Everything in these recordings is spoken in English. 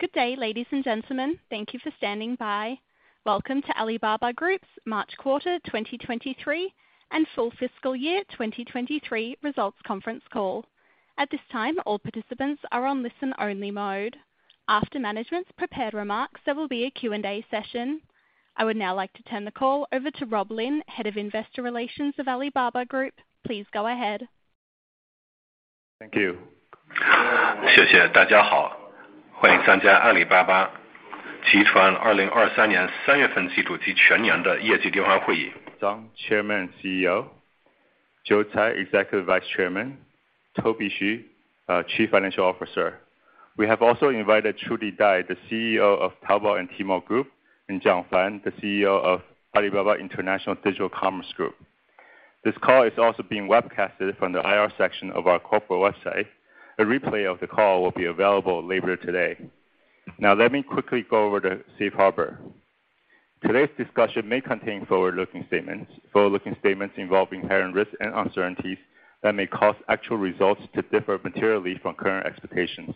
Good day, ladies and gentlemen. Thank you for standing by. Welcome to Alibaba Group's March quarter 2023 and full fiscal year 2023 results conference call. At this time, all participants are on listen only mode. After management's prepared remarks, there will be a Q&A session. I would now like to turn the call over to Rob Lin, Head of Investor Relations of Alibaba Group. Please go ahead. Thank you. Chairman CEO. Joe Tsai, Executive Vice Chairman. Toby Xu, Chief Financial Officer. We have also invited Trudy Dai, the CEO of Taobao and Tmall Group, and Jiang Fan, the CEO of Alibaba International Digital Commerce Group. This call is also being webcasted from the IR section of our corporate website. A replay of the call will be available later today. Now, let me quickly go over the safe harbor. Today's discussion may contain forward-looking statements. Forward-looking statements involving inherent risks and uncertainties that may cause actual results to differ materially from current expectations.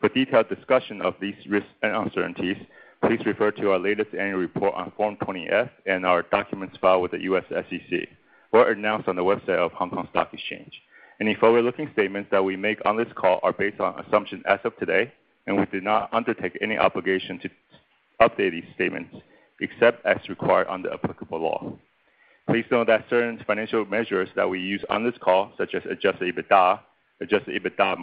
For detailed discussion of these risks and uncertainties, please refer to our latest annual report on Form 20-F and our documents filed with the U.S. SEC, or announced on the website of Hong Kong Stock Exchange. Any forward-looking statements that we make on this call are based on assumptions as of today, and we do not undertake any obligation to update these statements except as required under applicable law. Please note that certain financial measures that we use on this call, such as adjusted EBITA, adjusted EBITA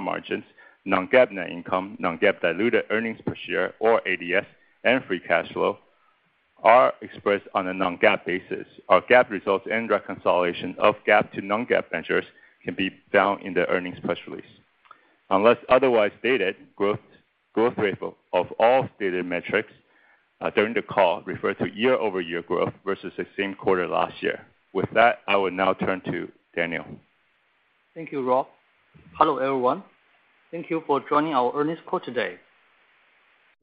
margins, non-GAAP net income, non-GAAP diluted earnings per share or ADS, and free cash flow are expressed on a non-GAAP basis. Our GAAP results and reconciliation of GAAP to non-GAAP measures can be found in the earnings press release. Unless otherwise stated, growth rate of all stated metrics during the call refer to year-over-year growth versus the same quarter last year. With that, I will now turn to Daniel. Thank you, Rob. Hello, everyone. Thank you for joining our earnings call today.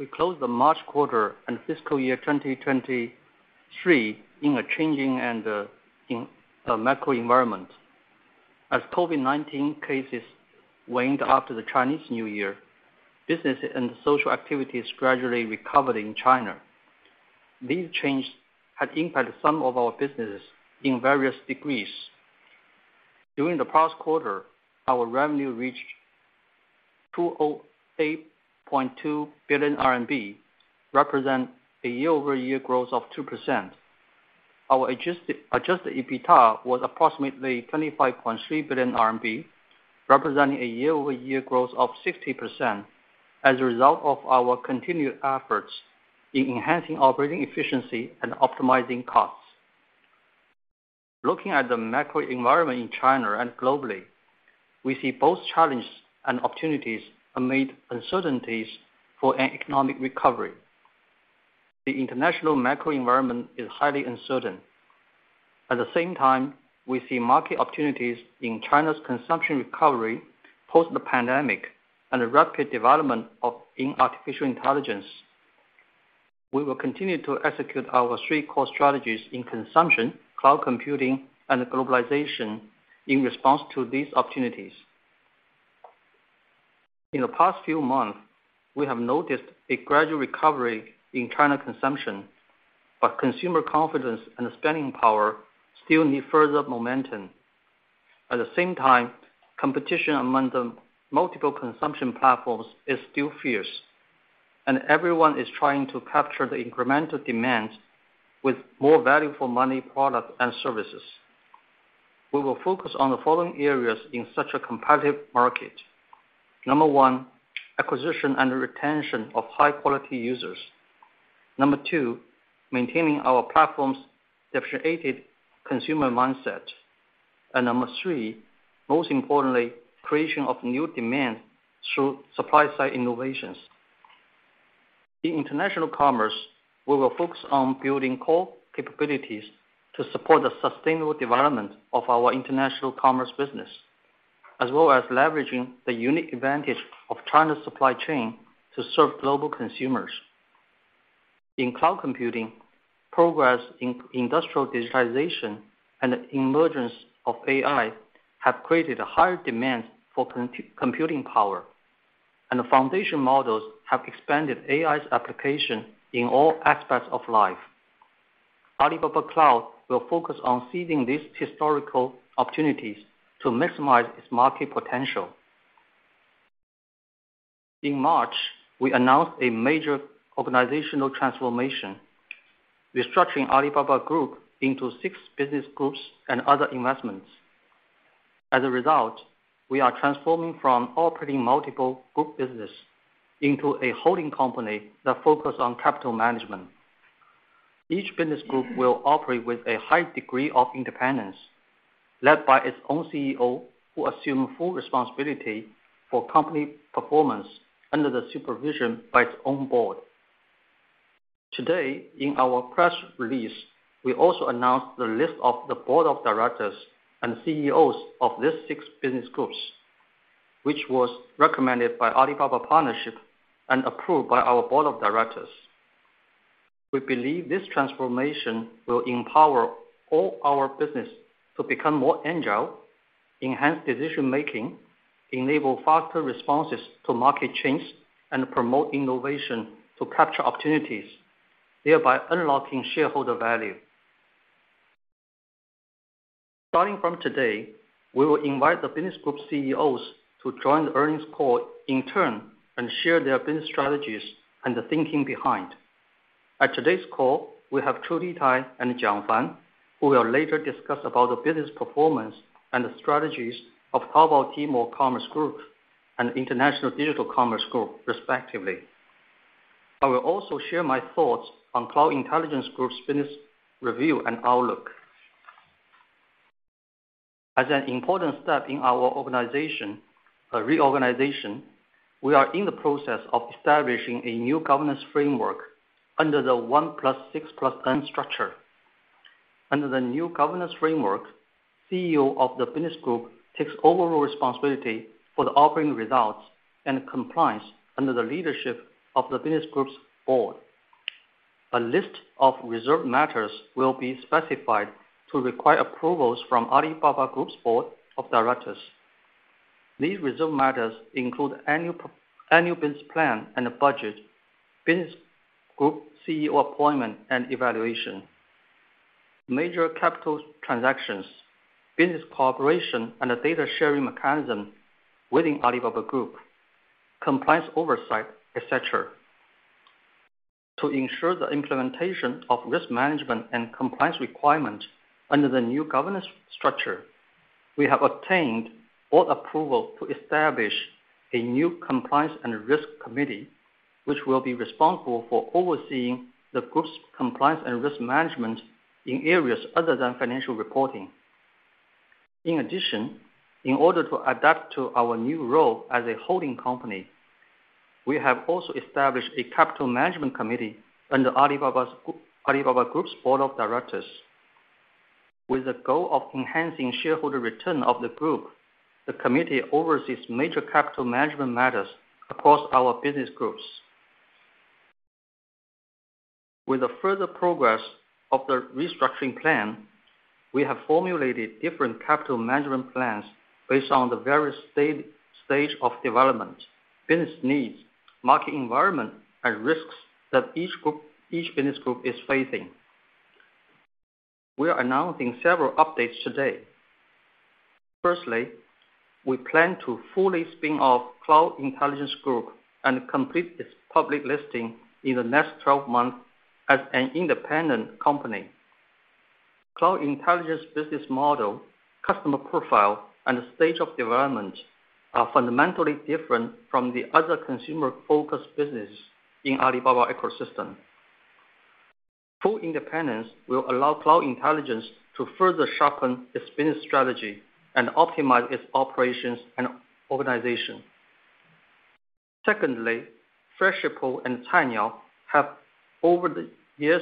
We closed the March quarter and fiscal year 2023 in a changing macro environment. As COVID-19 cases waned after the Chinese New Year, business and social activities gradually recovered in China. These changes had impacted some of our businesses in various degrees. During the past quarter, our revenue reached 208.2 billion RMB, represent a year-over-year growth of 2%. Our adjusted EBITDA was approximately 25.3 billion RMB, representing a year-over-year growth of 60% as a result of our continued efforts in enhancing operating efficiency and optimizing costs. Looking at the macro environment in China and globally, we see both challenges and opportunities amid uncertainties for an economic recovery. The international macro environment is highly uncertain. At the same time, we see market opportunities in China's consumption recovery post the pandemic and a rapid development of artificial intelligence. We will continue to execute our three core strategies in consumption, cloud computing and globalization in response to these opportunities. In the past few months, we have noticed a gradual recovery in China consumption, but consumer confidence and spending power still need further momentum. At the same time, competition among the multiple consumption platforms is still fierce, and everyone is trying to capture the incremental demand with more value for money, product and services. We will focus on the following areas in such a competitive market. Number one, acquisition and retention of high quality users. Number two, maintaining our platform's differentiated consumer mindset. Number three, most importantly, creation of new demand through supply side innovations. In international commerce, we will focus on building core capabilities to support the sustainable development of our international commerce business, as well as leveraging the unique advantage of China's supply chain to serve global consumers. In cloud computing, progress in industrial digitalization and the emergence of AI have created a higher demand for computing power, and the foundation models have expanded AI's application in all aspects of life. Alibaba Cloud will focus on seizing these historical opportunities to maximize its market potential. In March, we announced a major organizational transformation, restructuring Alibaba Group into six business groups and other investments. As a result, we are transforming from operating multiple group business into a holding company that focus on capital management. Each business group will operate with a high degree of independence, led by its own CEO, who assume full responsibility for company performance under the supervision by its own board. Today, in our press release, we also announced the list of the board of directors and CEOs of these six business groups, which was recommended by Alibaba Partnership and approved by our board of directors. We believe this transformation will empower all our business to become more agile, enhance decision-making, enable faster responses to market trends, and promote innovation to capture opportunities, thereby unlocking shareholder value. Starting from today, we will invite the business group CEOs to join the earnings call in turn and share their business strategies and the thinking behind. At today's call, we have Trudy Dai and Jiang Fan, who will later discuss about the business performance and the strategies of Taobao Tmall Commerce Group and International Digital Commerce Group, respectively. I will also share my thoughts on Cloud Intelligence Group's business review and outlook. As an important step in our reorganization, we are in the process of establishing a new governance framework under the one plus six plus N structure. Under the new governance framework, CEO of the business group takes overall responsibility for the operating results and compliance under the leadership of the business group's board. A list of reserved matters will be specified to require approvals from Alibaba Group's board of directors. These reserved matters include annual business plan and budget, business group CEO appointment and evaluation, major capital transactions, business cooperation, and a data sharing mechanism within Alibaba Group, compliance oversight, et cetera. To ensure the implementation of risk management and compliance requirements under the new governance structure, we have obtained board approval to establish a new Compliance and Risk Committee, which will be responsible for overseeing the group's compliance and risk management in areas other than financial reporting. In addition, in order to adapt to our new role as a holding company, we have also established a Capital Management Committee under Alibaba Group's board of directors. With the goal of enhancing shareholder return of the group, the committee oversees major capital management matters across our business groups. With the further progress of the restructuring plan, we have formulated different capital management plans based on the various stage of development, business needs, market environment, and risks that each business group is facing. We are announcing several updates today. We plan to fully spin off Cloud Intelligence Group and complete its public listing in the next 12 months as an independent company. Cloud Intelligence business model, customer profile, and stage of development are fundamentally different from the other consumer-focused business in Alibaba ecosystem. Full independence will allow Cloud Intelligence to further sharpen its business strategy and optimize its operations and organization. Freshippo and Cainiao have, over the years,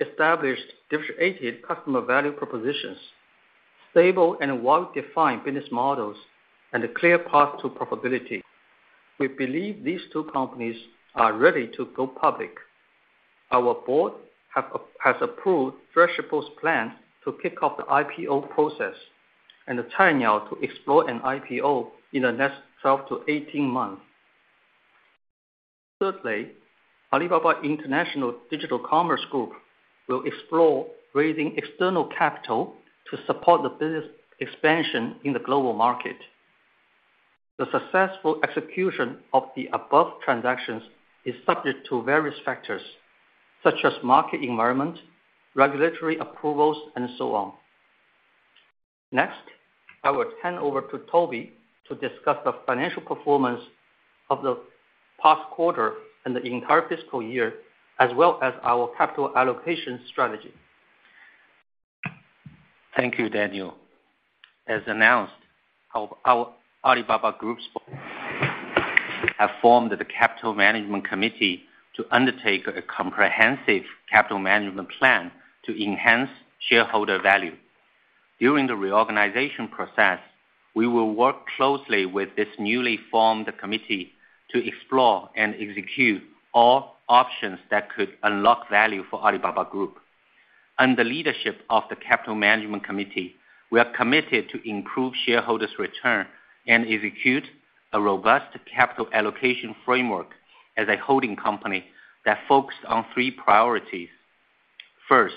established differentiated customer value propositions, stable and well-defined business models, and a clear path to profitability. We believe these two companies are ready to go public. Our board has approved Freshippo's plans to kick off the IPO process, and Cainiao to explore an IPO in the next 12-18 months. Alibaba International Digital Commerce Group will explore raising external capital to support the business expansion in the global market. The successful execution of the above transactions is subject to various factors, such as market environment, regulatory approvals, and so on. I will hand over to Toby to discuss the financial performance of the past quarter and the entire fiscal year, as well as our capital allocation strategy. Thank you, Daniel. As announced, our Alibaba Group's have formed the Capital Management Committee to undertake a comprehensive capital management plan to enhance shareholder value. During the reorganization process, we will work closely with this newly formed committee to explore and execute all options that could unlock value for Alibaba Group. Under the leadership of the Capital Management Committee, we are committed to improve shareholders' return and execute a robust capital allocation framework as a holding company that focus on three priorities. First,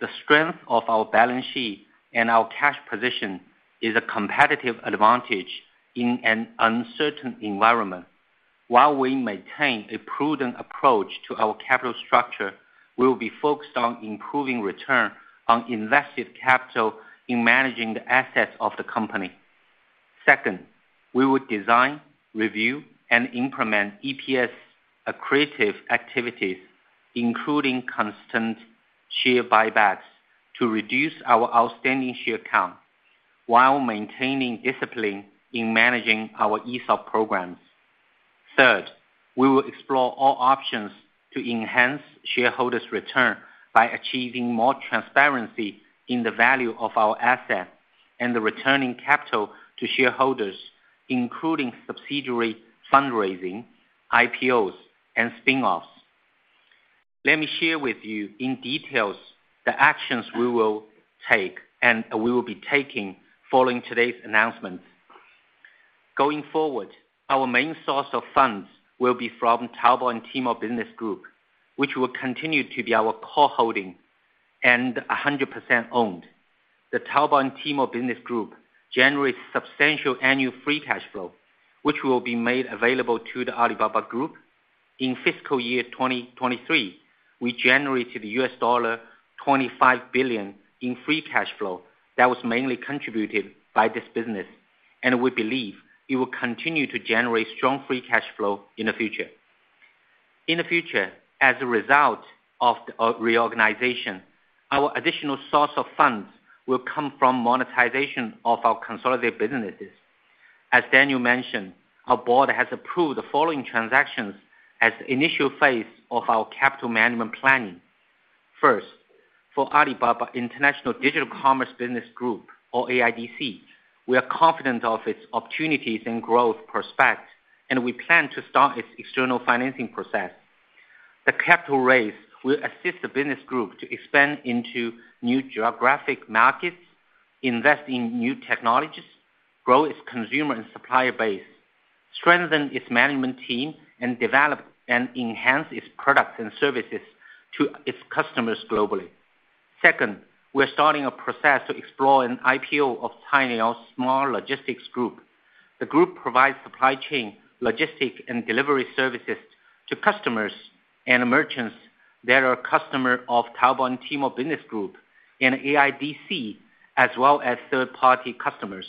the strength of our balance sheet and our cash position is a competitive advantage in an uncertain environment. While we maintain a prudent approach to our capital structure, we will be focused on improving return on invested capital in managing the assets of the company. Second, we will design, review, and implement EPS accretive activities, including constant share buybacks, to reduce our outstanding share count while maintaining discipline in managing our ESOP programs. Third, we will explore all options to enhance shareholders' return by achieving more transparency in the value of our assets. Returning capital to shareholders, including subsidiary fundraising, IPOs, and spin-offs. Let me share with you in details the actions we will take and we will be taking following today's announcement. Going forward, our main source of funds will be from Taobao and Tmall Business Group, which will continue to be our core holding and 100% owned. The Taobao and Tmall Business Group generates substantial annual free cash flow, which will be made available to the Alibaba Group. In fiscal year 2023, we generated $25 billion in free cash flow that was mainly contributed by this business, and we believe it will continue to generate strong free cash flow in the future. In the future, as a result of the org-reorganization, our additional source of funds will come from monetization of our consolidated businesses. As Daniel mentioned, our board has approved the following transactions as the initial phase of our capital management planning. First, for Alibaba International Digital Commerce Business Group or AIDC, we are confident of its opportunities and growth prospects, and we plan to start its external financing process. The capital raise will assist the business group to expand into new geographic markets, invest in new technologies, grow its consumer and supplier base, strengthen its management team, and develop and enhance its products and services to its customers globally. Second, we're starting a process to explore an IPO of Cainiao Smart Logistics Network. The group provides supply chain, logistics, and delivery services to customers and merchants that are customers of Taobao and Tmall Business Group and AIDC, as well as third-party customers.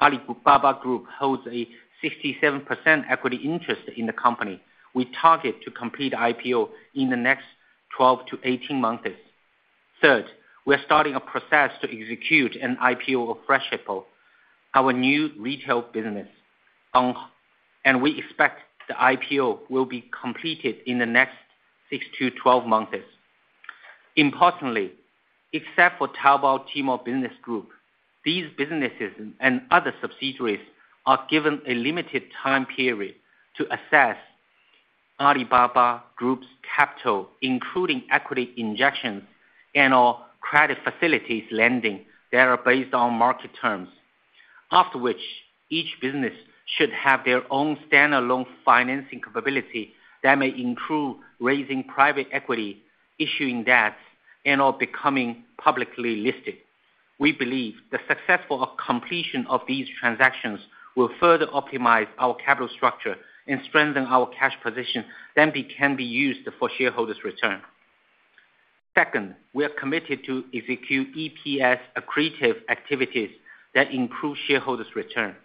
Alibaba Group holds a 67% equity interest in the company. We target to complete IPO in the next 12-18 months. Third, we are starting a process to execute an IPO of Freshippo, our new retail business. We expect the IPO will be completed in the next 6-12 months. Importantly, except for Taobao and Tmall Business Group, these businesses and other subsidiaries are given a limited time period to assess Alibaba Group's capital, including equity injections and/or credit facilities lending that are based on market terms. After which, each business should have their own standalone financing capability that may include raising private equity, issuing debts, and/or becoming publicly listed. We believe the successful completion of these transactions will further optimize our capital structure and strengthen our cash position can be used for shareholders return. Second, we are committed to execute EPS-accretive activities that improve shareholders' return.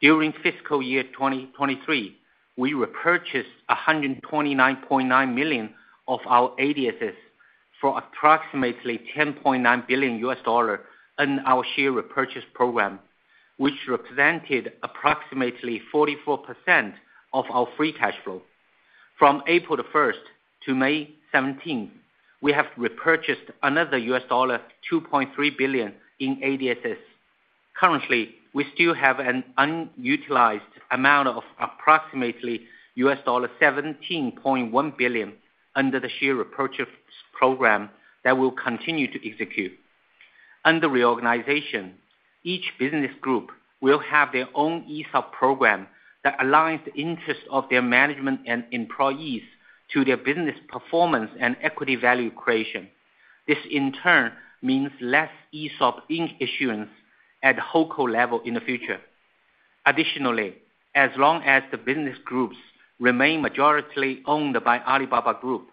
During fiscal year 2023, we repurchased 129.9 million of our ADSs for approximately $10.9 billion in our share repurchase program, which represented approximately 44% of our free cash flow. From April 1st to May 17th, we have repurchased another $2.3 billion in ADSs. Currently, we still have an unutilized amount of approximately $17.1 billion under the share repurchase program that we'll continue to execute. Under reorganization, each business group will have their own ESOP program that aligns the interest of their management and employees to their business performance and equity value creation. This, in turn, means less ESOP issuance at the whole co level in the future. As long as the business groups remain majority owned by Alibaba Group,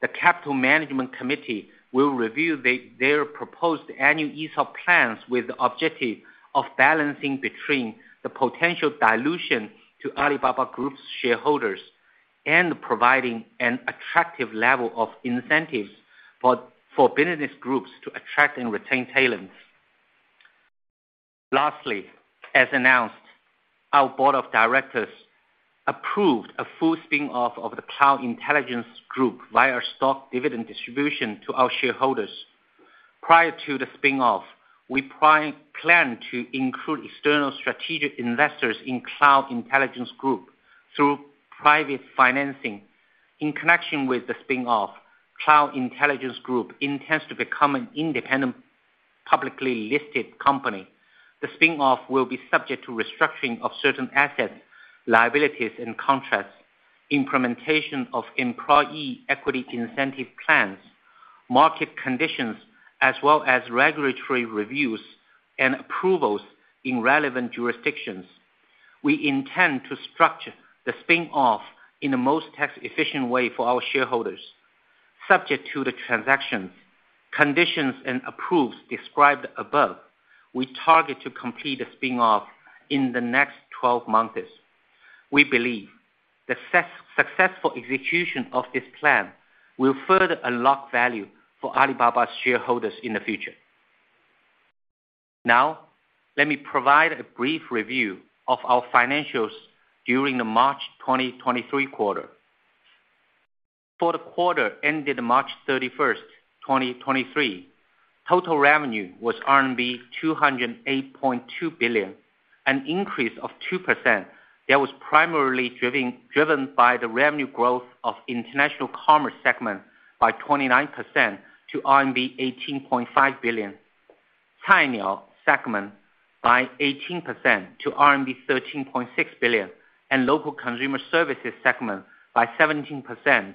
the Capital Management Committee will review their proposed annual ESOP plans with the objective of balancing between the potential dilution to Alibaba Group's shareholders and providing an attractive level of incentives for business groups to attract and retain talents. As announced, our board of directors approved a full spin-off of the Cloud Intelligence Group via our stock dividend distribution to our shareholders. Prior to the spin-off, we plan to include external strategic investors in Cloud Intelligence Group through private financing. In connection with the spin-off, Cloud Intelligence Group intends to become an independent, publicly listed company. The spin-off will be subject to restructuring of certain assets, liabilities, and contracts, implementation of employee equity incentive plans, market conditions, as well as regulatory reviews and approvals in relevant jurisdictions. We intend to structure the spin-off in the most tax-efficient way for our shareholders. Subject to the transactions, conditions, and approvals described above, we target to complete the spin-off in the next 12 months. We believe the successful execution of this plan will further unlock value for Alibaba shareholders in the future. Now, let me provide a brief review of our financials during the March 2023 quarter. For the quarter ended March 31, 2023, total revenue was RMB 208.2 billion, an increase of 2% that was primarily driven by the revenue growth of international commerce segment by 29% to RMB 18.5 billion. Cainiao segment by 18% to RMB 13.6 billion, and local consumer services segment by 17%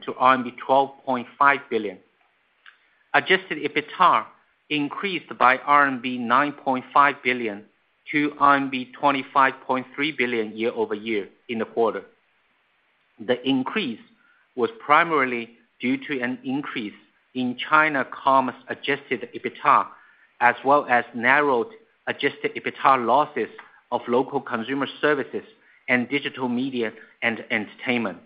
to RMB 12.5 billion. Adjusted EBITDA increased by RMB 9.5 billion to RMB 25.3 billion year-over-year in the quarter. The increase was primarily due to an increase in China commerce adjusted EBITDA, as well as narrowed adjusted EBITDA losses of local consumer services and digital media and entertainment.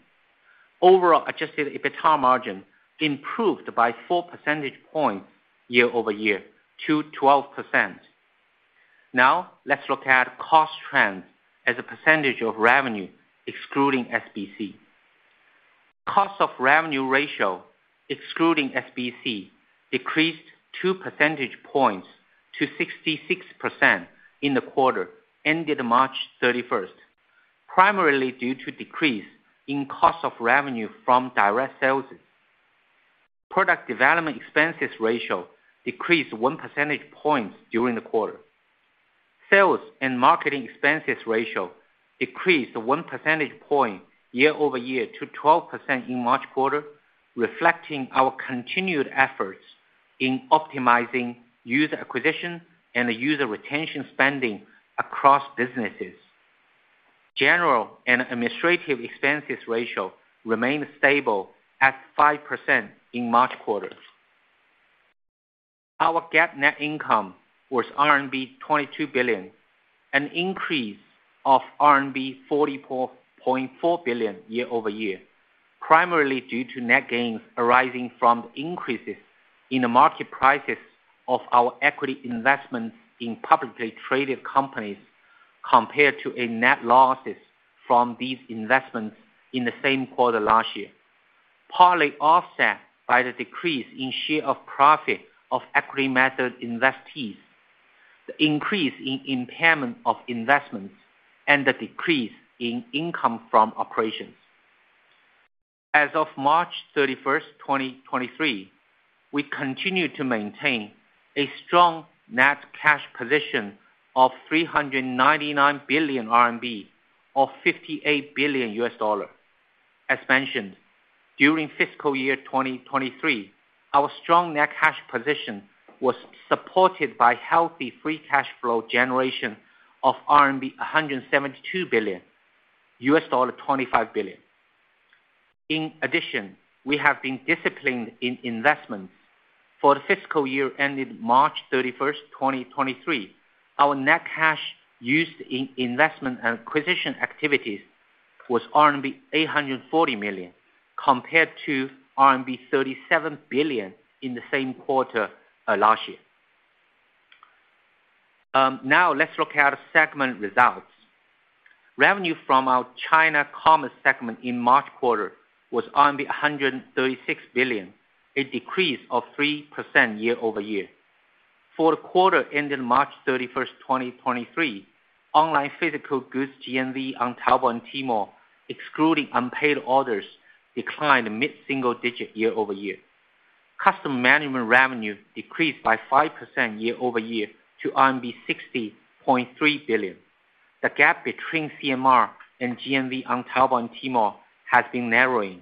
Overall adjusted EBITDA margin improved by 4 percentage points year-over-year to 12%. Now, let's look at cost trends as a % of revenue excluding SBC. Cost of revenue ratio excluding SBC decreased 2 percentage points to 66% in the quarter ending March 31st, primarily due to decrease in cost of revenue from direct sales. Product development expenses ratio decreased 1 percentage point during the quarter. Sales and marketing expenses ratio decreased 1 percentage point year-over-year to 12% in March quarter, reflecting our continued efforts in optimizing user acquisition and user retention spending across businesses. General and administrative expenses ratio remained stable at 5% in March quarter. Our GAAP net income was RMB 22 billion, an increase of RMB 44.4 billion year-over-year, primarily due to net gains arising from increases in the market prices of our equity investments in publicly traded companies compared to a net losses from these investments in the same quarter last year, partly offset by the decrease in share of profit of equity method investees, the increase in impairment of investments, and the decrease in income from operations. As of March 31, 2023, we continue to maintain a strong net cash position of 399 billion RMB or $58 billion. As mentioned, during fiscal year 2023, our strong net cash position was supported by healthy free cash flow generation of RMB 172 billion, $25 billion. In addition, we have been disciplined in investments. For the fiscal year ending March 31, 2023, our net cash used in investment and acquisition activities was RMB 840 million, compared to RMB 37 billion in the same quarter last year. Now let's look at our segment results. Revenue from our China commerce segment in March quarter was RMB 136 billion, a decrease of 3% year-over-year. For the quarter ending March 31, 2023, online physical goods GMV on Taobao and Tmall, excluding unpaid orders, declined mid-single digit year-over-year. Customer management revenue decreased by 5% year-over-year to RMB 60.3 billion. The gap between CMR and GMV on Taobao and Tmall has been narrowing.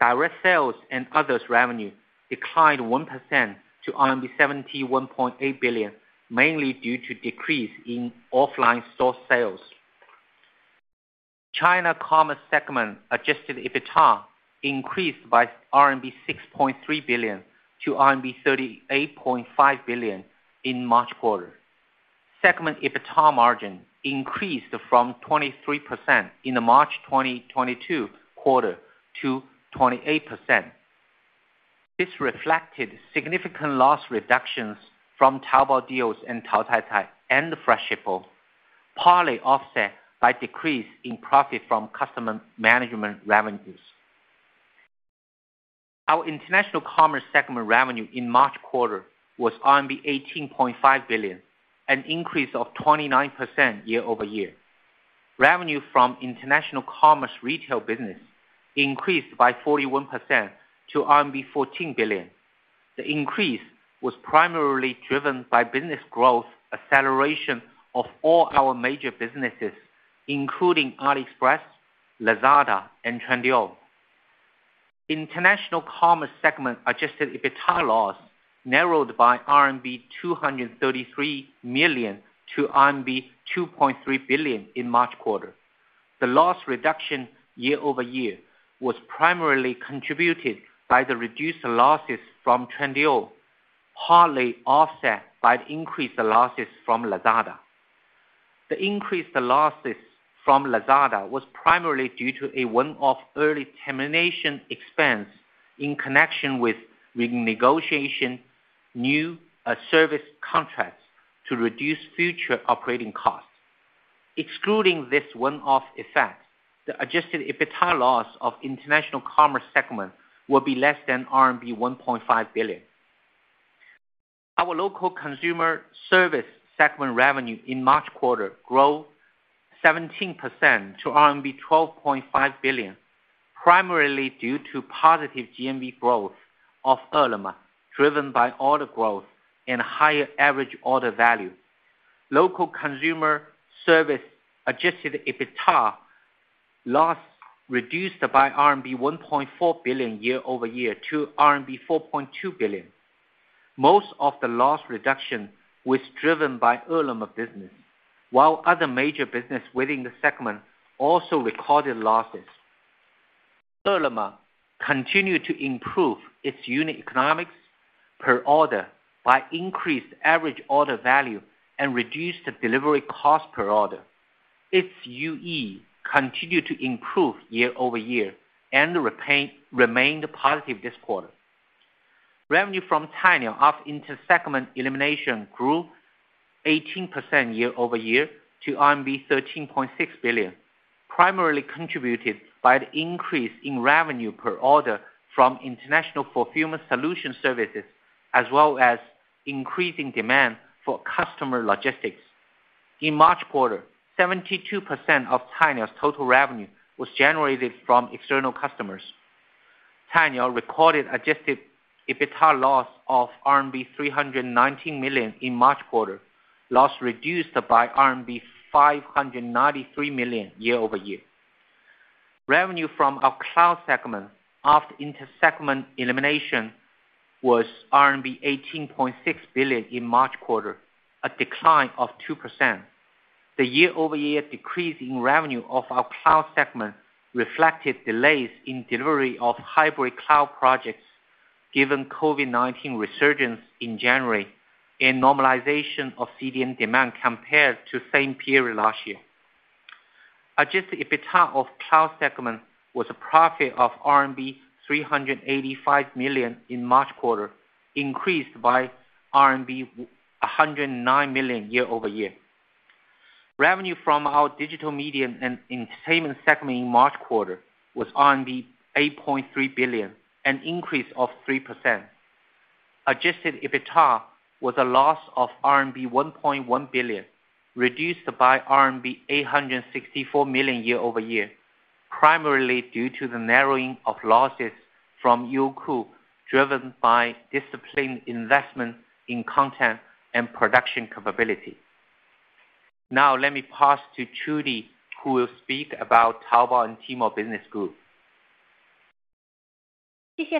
Direct sales and others revenue declined 1%-RMB 71.8 billion, mainly due to decrease in offline store sales. China commerce segment adjusted EBITDA increased by 6.3 billion-38.5 billion RMB in March quarter. Segment EBITDA margin increased from 23% in the March 2022 quarter to 28%. This reflected significant loss reductions from Taobao Deals and Taocaicai and the fresh apparel, partly offset by decrease in profit from customer management revenues. Our international commerce segment revenue in March quarter was RMB 18.5 billion, an increase of 29% year-over-year. Revenue from international commerce retail business increased by 41%-RMB 14 billion. The increase was primarily driven by business growth acceleration of all our major businesses, including AliExpress, Lazada and Trendyol. International Commerce segment adjusted EBITDA loss narrowed by 233 million-2.3 billion RMB in March quarter. The loss reduction year-over-year was primarily contributed by the reduced losses from Trendyol, partly offset by the increased losses from Lazada. The increased losses from Lazada was primarily due to a one-off early termination expense in connection with renegotiation new service contracts to reduce future operating costs. Excluding this one-off effect, the adjusted EBITDA loss of international commerce segment will be less than RMB 1.5 billion. Our local consumer service segment revenue in March quarter grow 17%-RMB 12.5 billion, primarily due to positive GMV growth of Ele.me, driven by order growth and higher average order value. Local consumer service adjusted EBITDA loss reduced by RMB 1.4 billion year-over-year to RMB 4.2 billion. Most of the loss reduction was driven by Ele.me business, while other major business within the segment also recorded losses. Ele.me continued to improve its unit economics per order by increased average order value and reduced delivery cost per order. Its UE continued to improve year-over-year and remained positive this quarter. Revenue from Cainiao of inter-segment elimination grew 18% year-over-year to RMB 13.6 billion, primarily contributed by the increase in revenue per order from international fulfillment solution services, as well as increasing demand for customer logistics. In March quarter, 72% of Cainiao's total revenue was generated from external customers. Cainiao recorded adjusted EBITDA loss of RMB 319 million in March quarter, loss reduced by RMB 593 million year-over-year. Revenue from our cloud segment after inter-segment elimination was RMB 18.6 billion in March quarter, a decline of 2%. The year-over-year decrease in revenue of our cloud segment reflected delays in delivery of hybrid cloud projects given COVID-19 resurgence in January and normalization of CDN demand compared to same period last year. Adjusted EBITDA of cloud segment was a profit of RMB 385 million in March quarter, increased by RMB 109 million year-over-year. Revenue from our digital media and entertainment segment in March quarter was RMB 8.3 billion, an increase of 3%. Adjusted EBITDA was a loss of RMB 1.1 billion, reduced by RMB 864 million year-over-year, primarily due to the narrowing of losses from Youku, driven by disciplined investment in content and production capability. Let me pass to Trudy, who will speak about Taobao and Tmall Group. Thank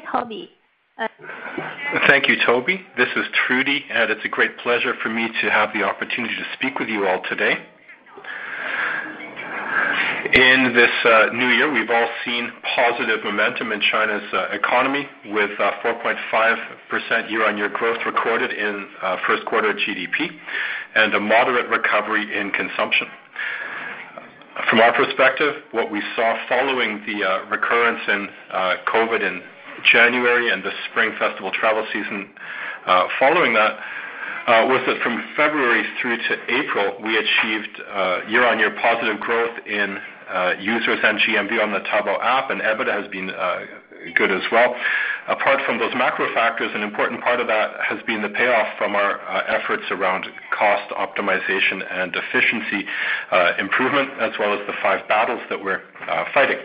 you, Toby Xu. This is Trudy Dai, it's a great pleasure for me to have the opportunity to speak with you all today. In this New Year, we've all seen positive momentum in China's economy with 4.5% year-on-year growth recorded in first quarter GDP and a moderate recovery in consumption. From our perspective, what we saw following the recurrence in COVID-19 in January and the Spring Festival travel season, following that, was that from February through to April, we achieved year-on-year positive growth in users and GMV on the Taobao app, EBITDA has been good as well. Apart from those macro factors, an important part of that has been the payoff from our efforts around cost optimization and efficiency improvement, as well as the five battles that we're fighting.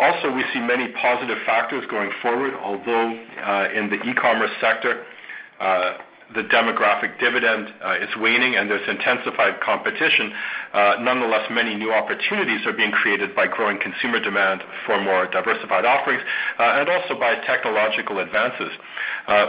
Also, we see many positive factors going forward, although in the e-commerce sector, the demographic dividend is waning and there's intensified competition. Nonetheless, many new opportunities are being created by growing consumer demand for more diversified offerings, and also by technological advances.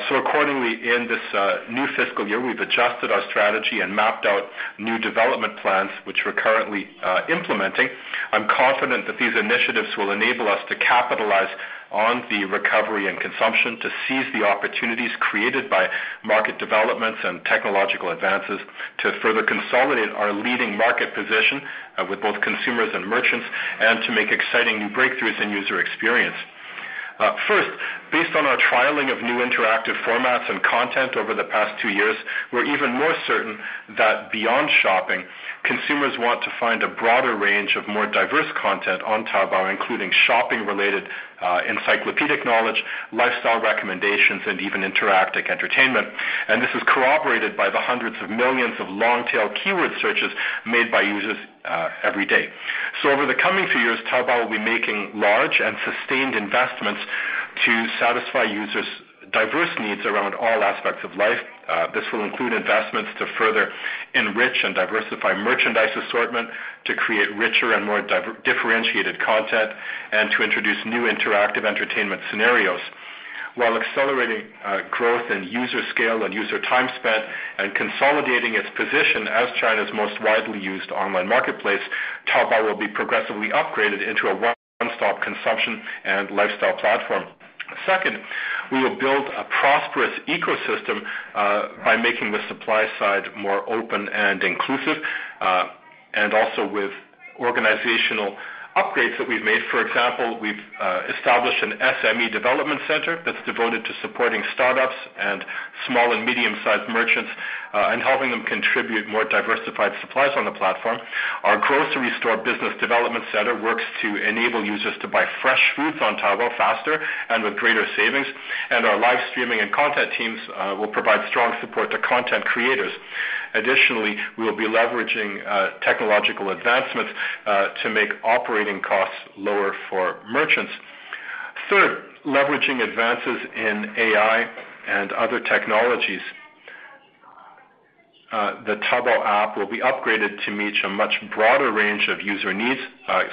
Accordingly, in this new fiscal year, we've adjusted our strategy and mapped out new development plans, which we're currently implementing. I'm confident that these initiatives will enable us to capitalize on the recovery and consumption to seize the opportunities created by market developments and technological advances to further consolidate our leading market position with both consumers and merchants, and to make exciting new breakthroughs in user experience. First, based on our trialing of new interactive formats and content over the past two years, we're even more certain that beyond shopping, consumers want to find a broader range of more diverse content on Taobao, including shopping related, encyclopedic knowledge, lifestyle recommendations, and even interactive entertainment. This is corroborated by the hundreds of millions of long-tail keyword searches made by users every day. Over the coming few years, Taobao will be making large and sustained investments to satisfy users' diverse needs around all aspects of life. This will include investments to further enrich and diversify merchandise assortment, to create richer and more differentiated content, and to introduce new interactive entertainment scenarios. While accelerating growth in user scale and user time spent and consolidating its position as China's most widely used online marketplace, Taobao will be progressively upgraded into a one-stop consumption and lifestyle platform. Second, we will build a prosperous ecosystem by making the supply side more open and inclusive, also with organizational upgrades that we've made. For example, we've established an SME development center that's devoted to supporting startups and small and medium-sized merchants and helping them contribute more diversified supplies on the platform. Our grocery store development center works to enable users to buy fresh foods on Taobao faster and with greater savings. Our live streaming and content teams will provide strong support to content creators. Additionally, we will be leveraging technological advancements to make operating costs lower for merchants. Third, leveraging advances in AI and other technologies. The Taobao app will be upgraded to meet a much broader range of user needs.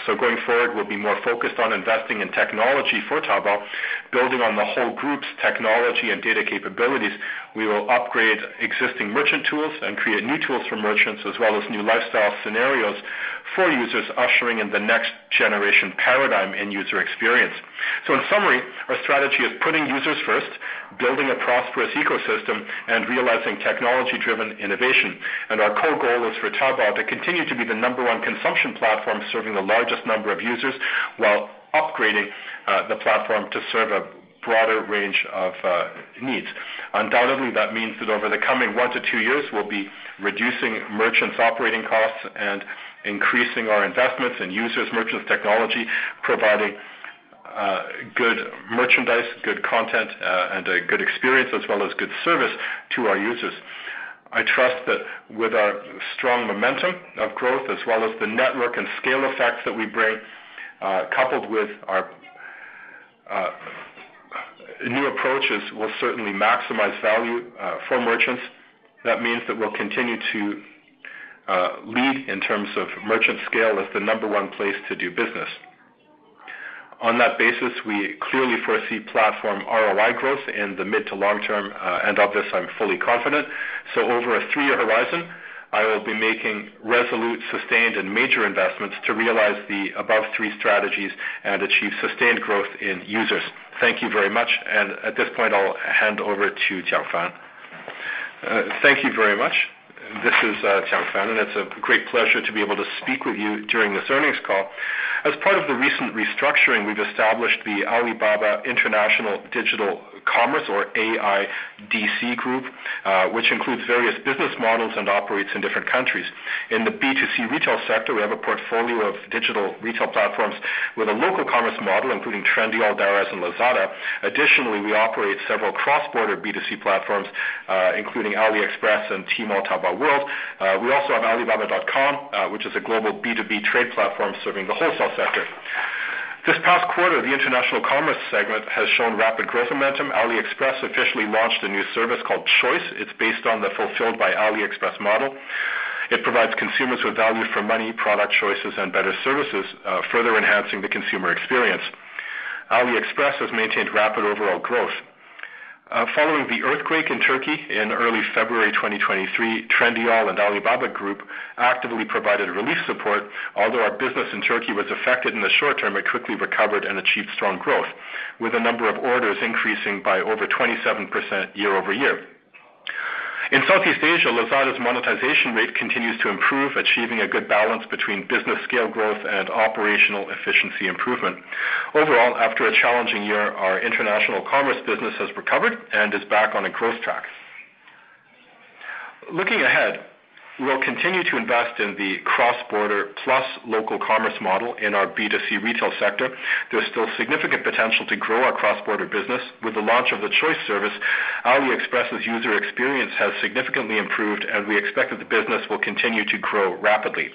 Going forward, we'll be more focused on investing in technology for Taobao, building on the whole group's technology and data capabilities. We will upgrade existing merchant tools and create new tools for merchants, as well as new lifestyle scenarios for users, ushering in the next generation paradigm in user experience. In summary, our strategy is putting users first, building a prosperous ecosystem, and realizing technology-driven innovation. Our core goal is for Taobao to continue to be the number one consumption platform serving the largest number of users, while upgrading the platform to serve a broader range of needs. Undoubtedly, that means that over the coming one to two years, we'll be reducing merchants' operating costs and increasing our investments in users, merchants, technology, providing good merchandise, good content, and a good experience, as well as good service to our users. I trust that with our strong momentum of growth, as well as the network and scale effects that we bring, coupled with our new approaches, we'll certainly maximize value for merchants. That means that we'll continue to lead in terms of merchant scale as the number one place to do business. On that basis, we clearly foresee platform ROI growth in the mid to long term. Of this, I'm fully confident. Over a three-year horizon, I will be making resolute, sustained, and major investments to realize the above three strategies and achieve sustained growth in users. Thank you very much. At this point, I'll hand over to Jiang Fan. Thank you very much. This is Jiang Fan, and it's a great pleasure to be able to speak with you during this earnings call. As part of the recent restructuring, we've established the Alibaba International Digital Commerce, or AIDC group, which includes various business models and operates in different countries. In the B2C retail sector, we have a portfolio of digital retail platforms with a local commerce model, including Trendyol, Daraz, and Lazada. Additionally, we operate several cross-border B2C platforms, including AliExpress and Tmall Taobao World. We also have Alibaba.com, which is a global B2B trade platform serving the wholesale sector. This past quarter, the international commerce segment has shown rapid growth momentum. AliExpress officially launched a new service called Choice. It's based on the Fulfilled by AliExpress model. It provides consumers with value for money, product choices, and better services, further enhancing the consumer experience. AliExpress has maintained rapid overall growth. Following the earthquake in Turkey in early February 2023, Trendyol and Alibaba Group actively provided relief support. Although our business in Turkey was affected in the short term, it quickly recovered and achieved strong growth, with the number of orders increasing by over 27% year-over-year. In Southeast Asia, Lazada's monetization rate continues to improve, achieving a good balance between business scale growth and operational efficiency improvement. Overall, after a challenging year, our international commerce business has recovered and is back on a growth track. Looking ahead, we'll continue to invest in the cross-border plus local commerce model in our B2C retail sector. There's still significant potential to grow our cross-border business. With the launch of the Choice service, AliExpress's user experience has significantly improved, and we expect that the business will continue to grow rapidly.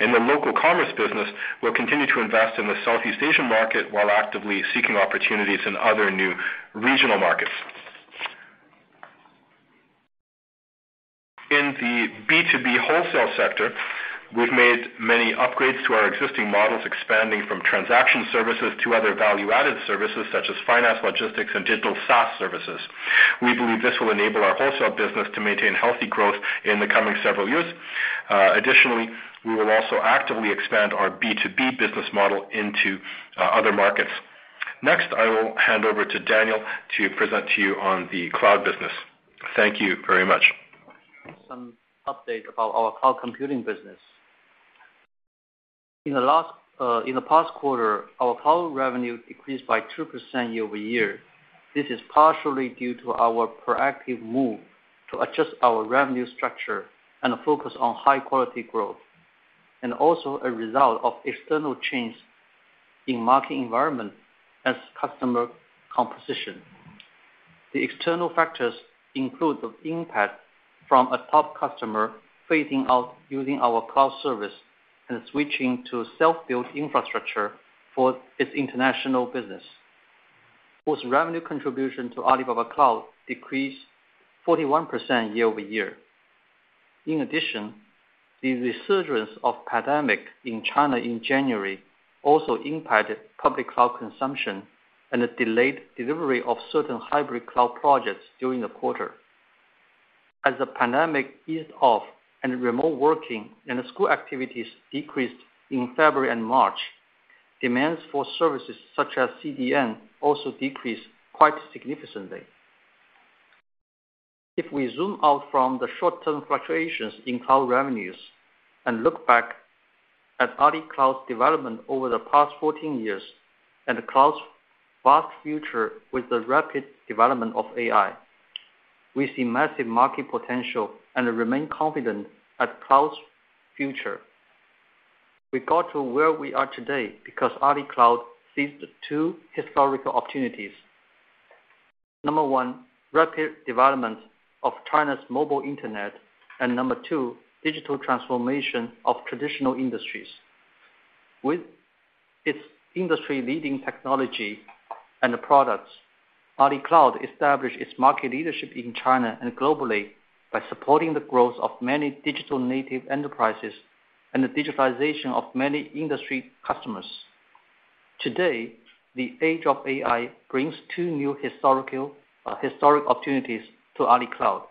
In the local commerce business, we'll continue to invest in the Southeast Asian market while actively seeking opportunities in other new regional markets. In the B2B wholesale sector, we've made many upgrades to our existing models, expanding from transaction services to other value-added services such as finance, logistics, and digital SaaS services. We believe this will enable our wholesale business to maintain healthy growth in the coming several years. Additionally, we will also actively expand our B2B business model into other markets. Next, I will hand over to Daniel to present to you on the cloud business. Thank you very much. Some update about our cloud computing business. In the last, in the past quarter, our cloud revenue decreased by 2% year-over-year. This is partially due to our proactive move to adjust our revenue structure and a focus on high-quality growth, and also a result of external changes in market environment as customer composition. The external factors include the impact from a top customer phasing out using our cloud service and switching to a self-built infrastructure for its international business, whose revenue contribution to Alibaba Cloud decreased 41% year-over-year. In addition, the resurgence of pandemic in China in January also impacted public cloud consumption and delayed delivery of certain hybrid cloud projects during the quarter. As the pandemic eased off and remote working and school activities decreased in February and March, demands for services such as CDN also decreased quite significantly. If we zoom out from the short-term fluctuations in cloud revenues and look back at AliCloud's development over the past 14 years and the cloud's vast future with the rapid development of AI, we see massive market potential and remain confident at cloud's future. We got to where we are today because AliCloud seized two historical opportunities. Number one, rapid development of China's mobile internet. Number two, digital transformation of traditional industries. With its industry-leading technology and the products, AliCloud established its market leadership in China and globally by supporting the growth of many digital native enterprises and the digitization of many industry customers. Today, the age of AI brings two new historic opportunities to AliCloud.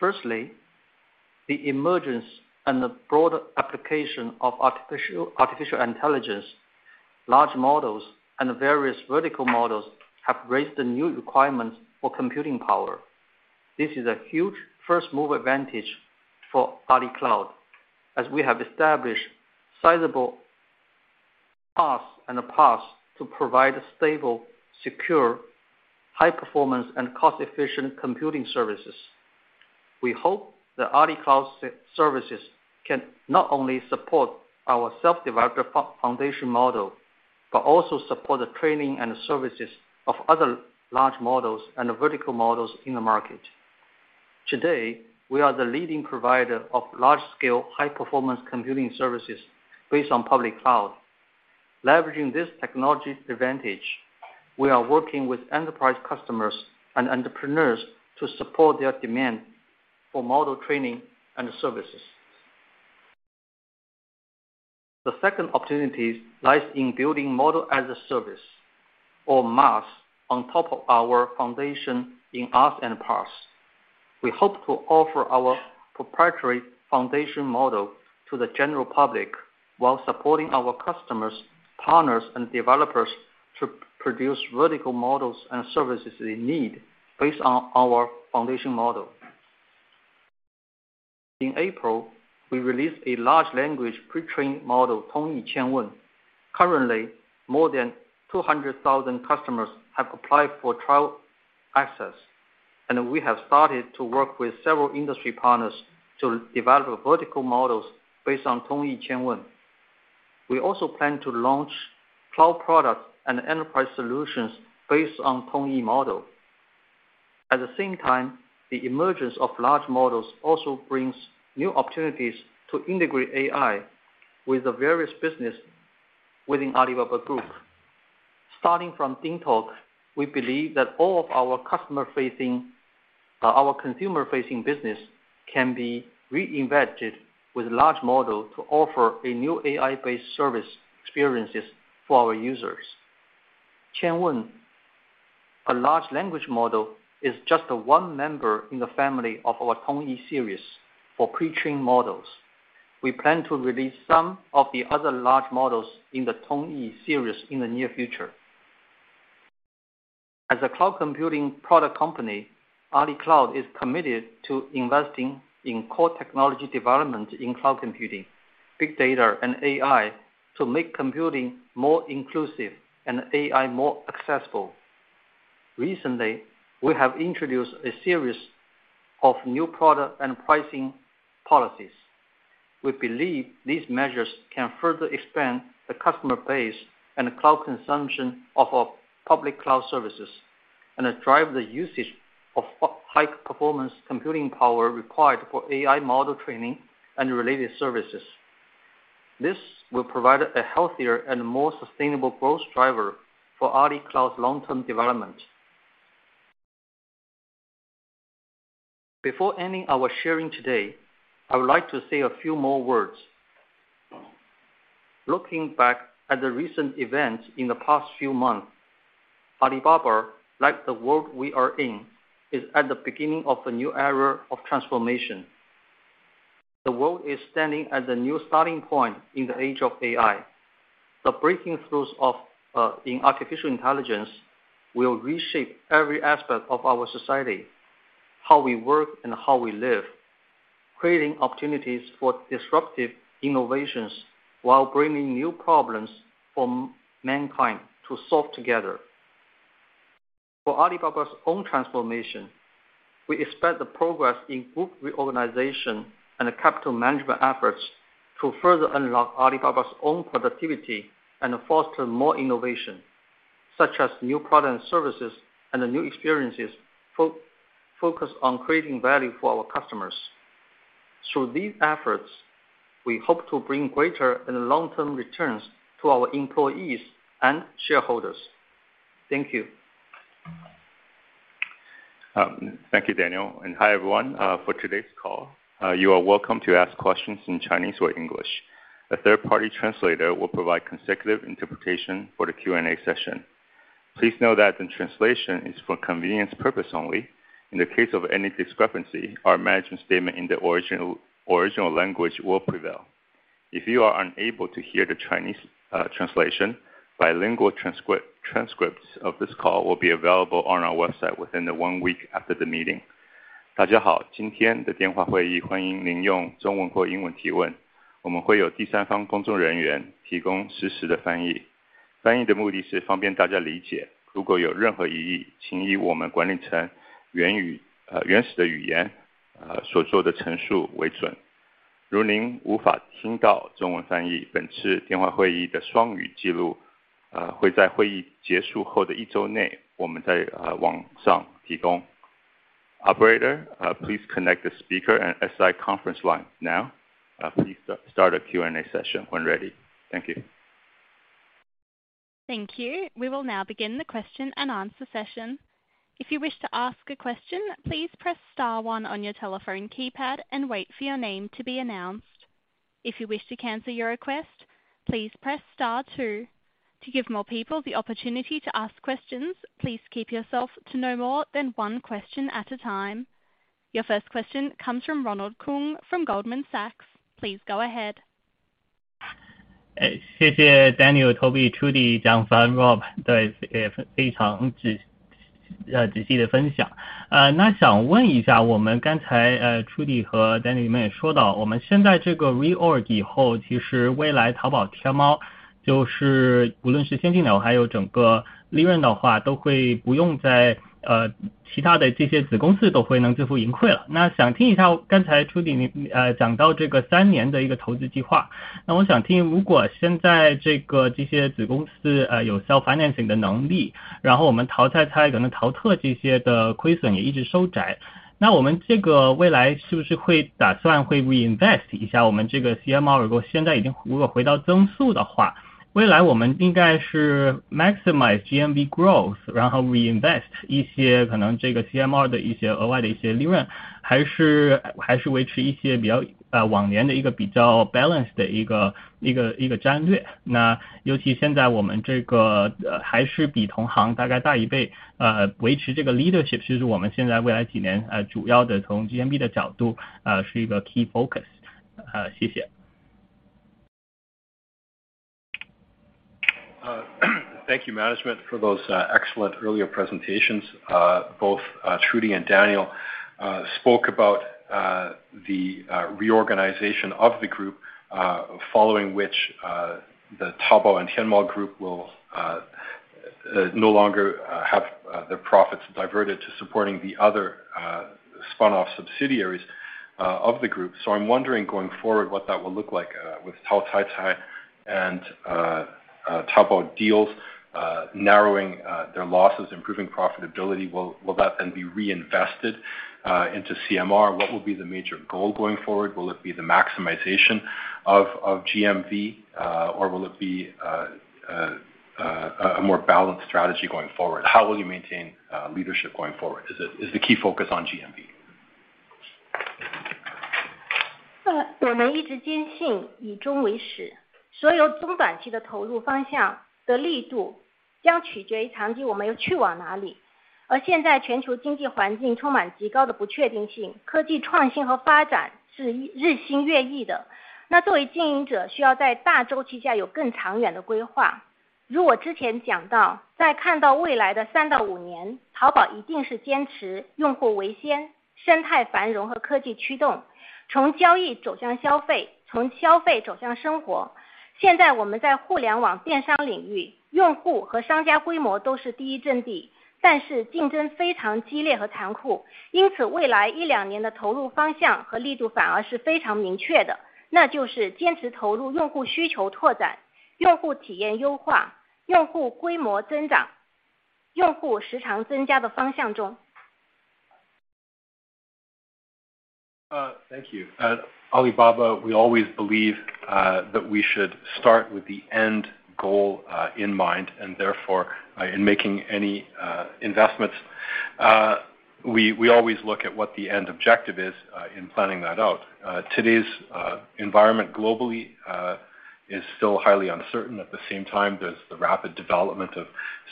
Firstly, the emergence and the broader application of artificial intelligence, large models, and various vertical models have raised the new requirements for computing power. This is a huge first-mover advantage for Alibaba Cloud, as we have established sizable PaaS to provide stable, secure, high-performance, and cost-efficient computing services. We hope that Alibaba Cloud services can not only support our self-developed foundation model, but also support the training and services of other large models and vertical models in the market. Today, we are the leading provider of large-scale high-performance computing services based on public cloud. Leveraging this technology advantage, we are working with enterprise customers and entrepreneurs to support their demand for model training and services. The second opportunity lies in building Model-as-a-Service, or MaaS, on top of our foundation in us and PaaS. We hope to offer our proprietary foundation model to the general public while supporting our customers, partners, and developers to produce vertical models and services they need based on our foundation model. In April, we released a large language pre-trained model, Tongyi Qianwen. Currently, more than 200,000 customers have applied for trial access, and we have started to work with several industry partners to develop vertical models based on Tongyi Qianwen. We also plan to launch cloud products and enterprise solutions based on Tongyi model. At the same time, the emergence of large models also brings new opportunities to integrate AI with the various business within Alibaba Group. Starting from DingTalk, we believe that all of our customer-facing, our consumer-facing business can be reinvented with large model to offer a new AI-based service experiences for our users. Qianwen, a large language model, is just one member in the family of our Tongyi series for pre-trained models. We plan to release some of the other large models in the Tongyi series in the near future. As a cloud computing product company, Alibaba Cloud is committed to investing in core technology development in cloud computing, big data, and AI to make computing more inclusive and AI more accessible. Recently, we have introduced a series of new product and pricing policies. We believe these measures can further expand the customer base and cloud consumption of our public cloud services, and drive the usage of high-performance computing power required for AI model training and related services. This will provide a healthier and more sustainable growth driver for Alibaba Cloud's long-term development. Before ending our sharing today, I would like to say a few more words. Looking back at the recent events in the past few months, Alibaba, like the world we are in, is at the beginning of a new era of transformation. The world is standing at the new starting point in the age of AI. The breakthroughs in artificial intelligence will reshape every aspect of our society, how we work, and how we live, creating opportunities for disruptive innovations while bringing new problems for mankind to solve together. For Alibaba's own transformation, we expect the progress in group reorganization and capital management efforts to further unlock Alibaba's own productivity and foster more innovation, such as new products and services and the new experiences focused on creating value for our customers. Through these efforts, we hope to bring greater and long-term returns to our employees and shareholders. Thank you. Thank you, Daniel. Hi, everyone. For today's call, you are welcome to ask questions in Chinese or English. A third-party translator will provide consecutive interpretation for the Q&A session. Please note that the translation is for convenience purpose only. In the case of any discrepancy, our management statement in the original language will prevail. If you are unable to hear the Chinese translation, bilingual transcripts of this call will be available on our website within one week after the meeting. 大家 好， 今天的电话会议欢迎您用中文或英文提 问， 我们会有第三方工作人员提供实时的翻译。翻译的目的是方便大家理 解， 如果有任何疑 义， 请以我们管理层原始的语言所做的陈述为准。如您无法听到中文翻 译， 本次电话会议的双语记录会在会议结束后的一周内我们在网上提供。Operator, please connect the speaker and SI conference line now. Please start a Q&A session when ready. Thank you. Thank you. We will now begin the question and answer session. If you wish to ask a question, please press star one on your telephone keypad and wait for your name to be announced. If you wish to cancel your request, please press star two. To give more people the opportunity to ask questions, please keep yourself to no more than one question at a time. Your first question comes from Ronald Keung from Goldman Sachs. Please go ahead. 谢谢 Daniel、Toby、Trudy、Jiang Fan、Rob 对非常仔细的分享。那想问一下我们刚才 Trudy 和 Daniel 你们也说到我们现在这个 reorg 以 后， 其实未来 Taobao and Tmall 就是无论是线下 的， 还有整个利润的 话， 都会不用在其他的这些子公司都会能自负盈亏了。那想听一下刚才 Trudy 你讲到这个3年的一个投资计 划， 那我想听如果现在这个这些子公司有 self financing 的能 力， 然后我们淘汰 它， 可能 Taobao Deals 这些的亏损也一直收 窄， 那我们这个未来是不是会打算会 reinvest 一下我们这个 CMR， 如果现在已经如果回到增速的 话， 未来我们应该是 maximize GMV growth， 然后 reinvest 一些可能这个 CMR 的一些额外的一些利 润， 还是维持一些比较往年的一个比较 balance 的一个战略。那尤其现在我们这个还是比同行大概大1 倍， 维持这个 leadership 其实我们现在未来几 年， 主要的从 GMV 的角 度， 是一个 key focus。谢谢。Thank you management for those excellent earlier presentations. Both Trudy and Daniel spoke about the reorganization of the group, following which the Taobao and Tmall Group will no longer have their profits diverted to supporting the other spun-off subsidiaries of the group. I'm wondering going forward what that will look like with Taobao and Taobao Deals narrowing their losses, improving profitability. Will that then be reinvested into CMR? What will be the major goal going forward? Will it be the maximization of GMV or will it be a more balanced strategy going forward? How will you maintain leadership going forward? Is the key focus on GMV? 呃， 我们一直坚信以终为 始， 所有中短期的投入方向的力度将取决于长期我们要去往哪里。而现在全球经济环境充满极高的不确定 性， 科技创新和发展是日新月异 的， 那作为经营 者， 需要在大周期下有更长远的规划。如我之前讲 到， 在看到未来的三到五 年， 淘宝一定是坚持用户为 先， 生态繁荣和科技驱 动， 从交易走向消 费， 从消费走向生活。现在我们在互联网电商领 域， 用户和商家规模都是第一阵 地， 但是竞争非常激烈和残酷。因 此， 未来一两年的投入方向和力度反而是非常明确 的， 那就是坚持投入用户需求拓展、用户体验优化、用户规模增长、用户时长增加的方向中。Thank you. Alibaba, we always believe that we should start with the end goal in mind and therefore, in making any investments, we always look at what the end objective is in planning that out. Today's environment globally is still highly uncertain. At the same time, there's the rapid development of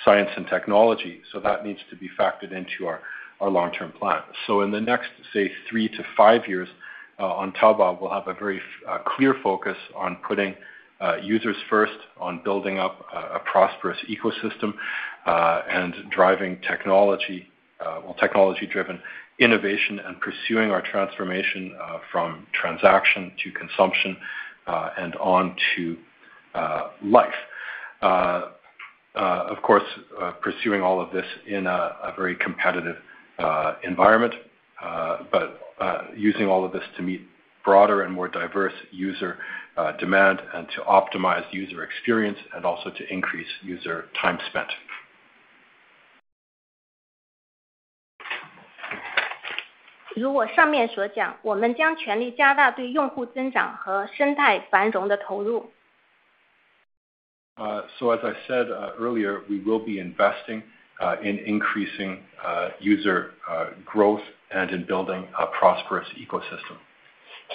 science and technology, so that needs to be factored into our long term plan. In the next, say, three to five years, on Taobao, we'll have a very clear focus on putting users first, on building up a prosperous ecosystem, and driving technology-driven innovation and pursuing our transformation from transaction to consumption and on to life. Of course, pursuing all of this in a very competitive environment. using all of this to meet broader and more diverse user demand and to optimize user experience and also to increase user time spent. 如我上面所 讲， 我们将全力加大对用户增长和生态繁荣的投入。As I said, earlier, we will be investing, in increasing, user, growth and in building a prosperous ecosystem.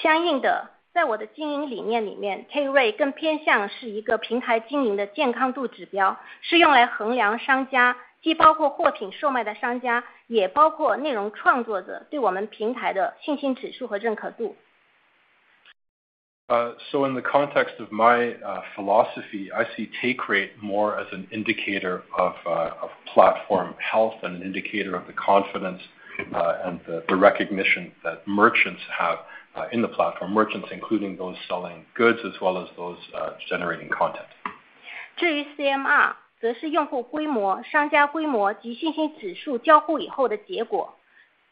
相应 的， 在我的经营理念里面 ，K-ray 更偏向是一个平台经营的健康度指 标， 是用来衡量商 家， 既包括货品售卖的商 家， 也包括内容创作者对我们平台的信心指数和认可度。In the context of my philosophy, I see take rate more as an indicator of platform health and an indicator of the confidence and the recognition that merchants have in the platform. Merchants, including those selling goods as well as those generating content. 至于 CMR 则是用户规模、商家规模及信心指数交互以后的结果。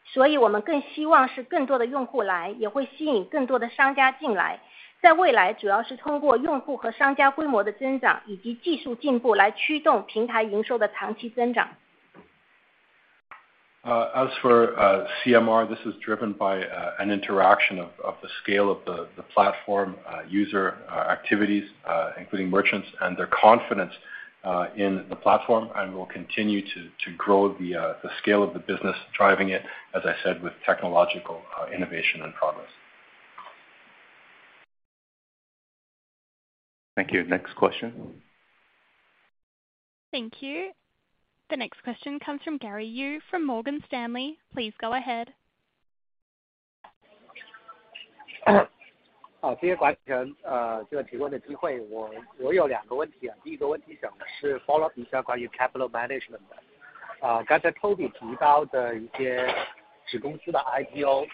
所以我们更希望是更多的用户 来， 也会吸引更多的商家进来。在未来主要是通过用户和商家规模的增长以及技术进步来驱动平台营收的长期增长。As for CMR, this is driven by an interaction of the scale of the platform, user activities, including merchants and their confidence in the platform. We'll continue to grow the scale of the business, driving it, as I said, with technological innovation and progress. Thank you. Next question. Thank you. The next question comes from Gary Yu from Morgan Stanley. Please go ahead. 好，谢谢管理层，这个提供的机会。我 有 two 个问题。The first 问题想的是 follow up 一下关于 capital management 的。刚才 Toby 提到的一些子公司的 IPO，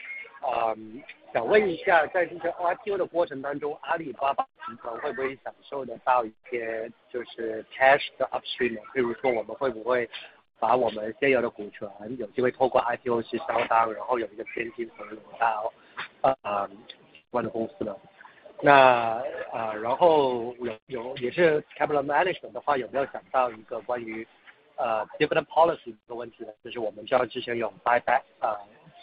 想问一 下， 在这个 IPO 的过程当 中， Alibaba Group 会不会享受得到一些就是 cash 的 upstream？ 譬如说我们会不会把我们现有的股权有机会透过 IPO 去消耗 掉， 然后有一个现金流到别的公司 呢？ 有也是 capital management 的 话， 有没有想到一个关于 different policy 的一个问 题？ 就是我们知道之前有 buy back， 知道管理层没有想 到， 这可能是另外一个选择。我 the second 问题就是也是关于 restructuring 的，那我们这 five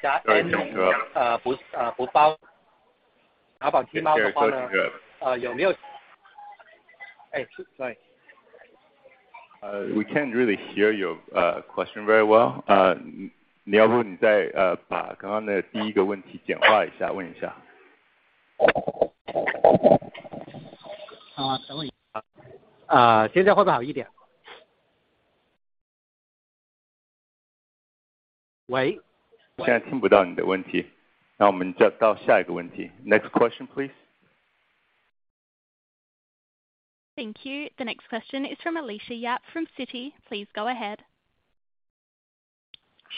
家 Sorry。呃， 不， 呃， 不 包， 淘宝天猫的话呢 We can't really hear you, question very well. 你要不你 再， 把刚刚的第一个问题简化一下问一 下。. 好， 等我一下。现在会不会好一点 ？Wait. 现在听不到你的问 题， 那我们就到下一个问题。Next question please. Thank you. The next question is from Alicia Yap from Citi. Please go ahead.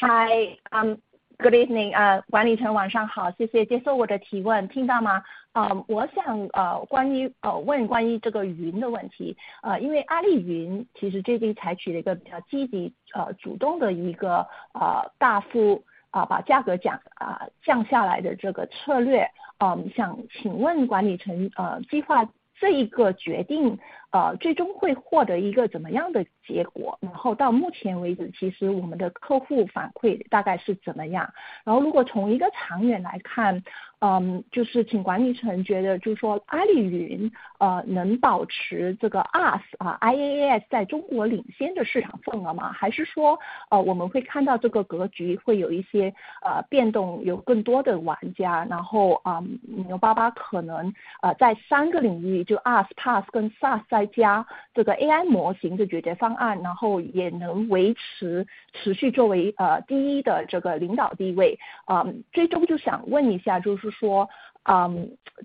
Hi，um，good evening。呃， 管理层晚上 好， 谢谢接受我的提问。听到 吗？ 呃， 我 想， 呃， 关 于， 呃， 问关于这个云的问 题， 呃， 因为阿里云其实最近采取了一个比较积 极， 呃， 主动的一 个， 呃， 大 幅， 呃， 把价格 降， 啊， 降下来的这个策略。呃， 想请问管理 层， 呃， 计划这一个决 定， 呃， 最终会获得一个怎么样的结 果？ 然后到目前为 止， 其实我们的客户反馈大概是怎么 样？ 然后如果从一个长远来 看， 呃， 就是请管理层觉得就是说阿里 云， 呃， 能保持这个 IaaS，I-A-A-S 在中国领先的市场份额 吗？ 还是 说， 呃， 我们会看到这个格局会有一 些， 呃， 变 动， 有更多的玩 家， 然 后， 呃， 阿里巴巴可 能， 呃， 在三个领域就 IaaS、PaaS 跟 SaaS 再加这个 AI 模型的解决方 案， 然后也能维持持续作 为， 呃， 第一的这个领导地位。呃， 最终就想问一 下， 就是 说， 呃，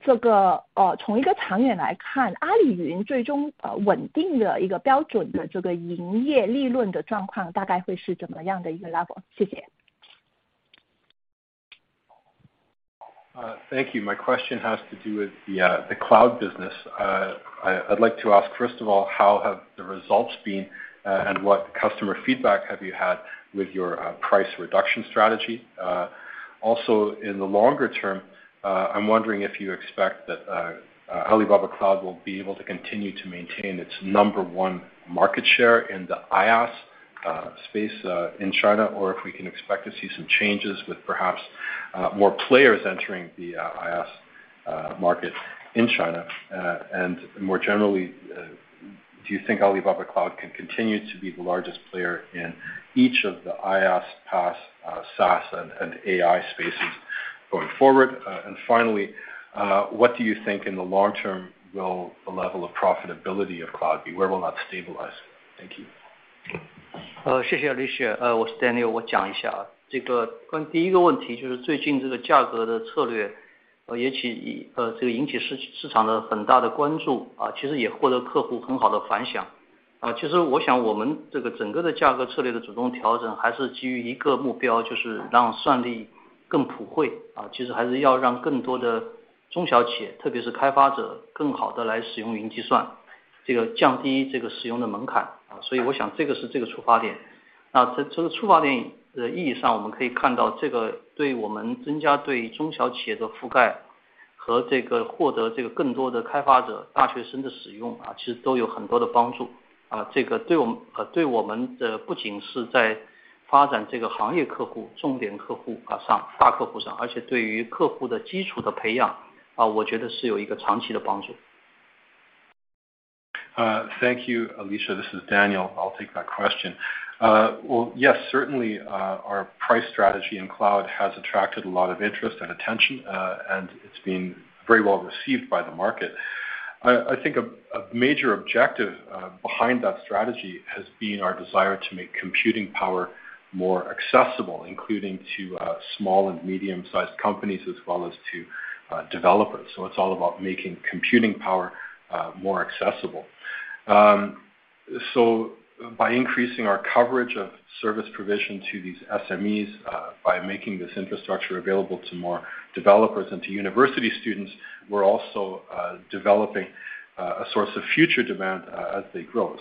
这 个， 呃， 从一个长远来 看， 阿里云最 终， 呃， 稳定的一个标准的这个营业利润的状况大概会是怎么样的一个 level？ 谢谢。Thank you. My question has to do with the cloud business. I'd like to ask, first of all, how have the results been and what customer feedback have you had with your price reduction strategy? In the longer term, I'm wondering if you expect that Alibaba Cloud will be able to continue to maintain its number one market share in the IaaS space in China, or if we can expect to see some changes with perhaps more players entering the IaaS market in China? More generally, do you think Alibaba Cloud can continue to be the largest player in each of the IaaS, PaaS, SaaS and AI spaces going forward? Finally, what do you think in the long term will the level of profitability of cloud be? Where will that stabilize? Thank you. 谢谢 Alicia. 我是 Daniel, 我讲一 下. 这个关第一个问题就是最近这个价格的策 略, 也 起, 就引起市场的很大的关 注, 其实也获得客户很好的反 响. 其实我想我们这个整个的价格策略的主动调整还是基于一个目 标, 就是让算力更普 惠, 其实还是要让更多的中小企 业, 特别是开发者更好地来使用云计 算, 这个降低这个使用的门 槛. 所以我想这个是这个出发 点. 那这个出发点的意义 上, 我们可以看到这个对我们增加对中小企业的覆盖和这个获得这个更多的开发者、大学生的使 用, 其实都有很多的帮 助. 这个对我 们, 对我们的不仅是在发展这个行业客户、重点客 户, 上, 大客户 上, 而且对于客户的基础的培 养, 我觉得是有一个长期的帮 助. Thank you, Alicia. This is Daniel. I'll take that question. Well, yes, certainly, our price strategy in cloud has attracted a lot of interest and attention, and it's been very well received by the market. I think a major objective behind that strategy has been our desire to make computing power more accessible, including to small and medium-sized companies as well as to developers. It's all about making computing power more accessible. By increasing our coverage of service provision to these SMEs, by making this infrastructure available to more developers and to university students, we're also developing a source of future demand as they grow.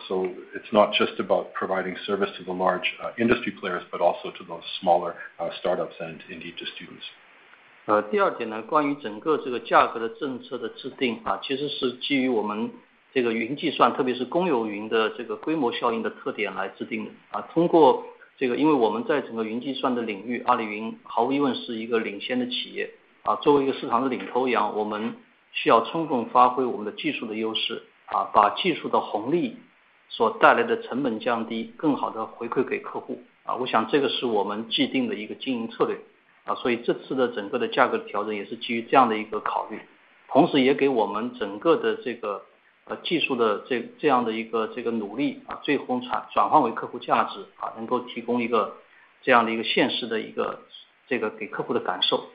It's not just about providing service to the large industry players, but also to those smaller startups and indeed to students. 第二点 呢， 关于整个这个价格的政策的制 定， 其实是基于我们这个云计 算， 特别是公有云的这个规模效应的特点来制定的。通过这 个, 因为我们在整个云计算的领 域， Alibaba Cloud 毫无疑问是一个领先的企业。作为一个市场的领头 羊， 我们需要充分发挥我们的技术的优 势， 把技术的红利所带来的成本降 低， 更好地回馈给客户。我想这个是我们既定的一个经营策略。所以这次的整个的价格的调整也是基于这样的一个考 虑， 同时也给我们整个的这个技术的这样的一个努 力， 最后转换为客户价 值， 能够提供一个这样的一个现实的一个给客户的感受。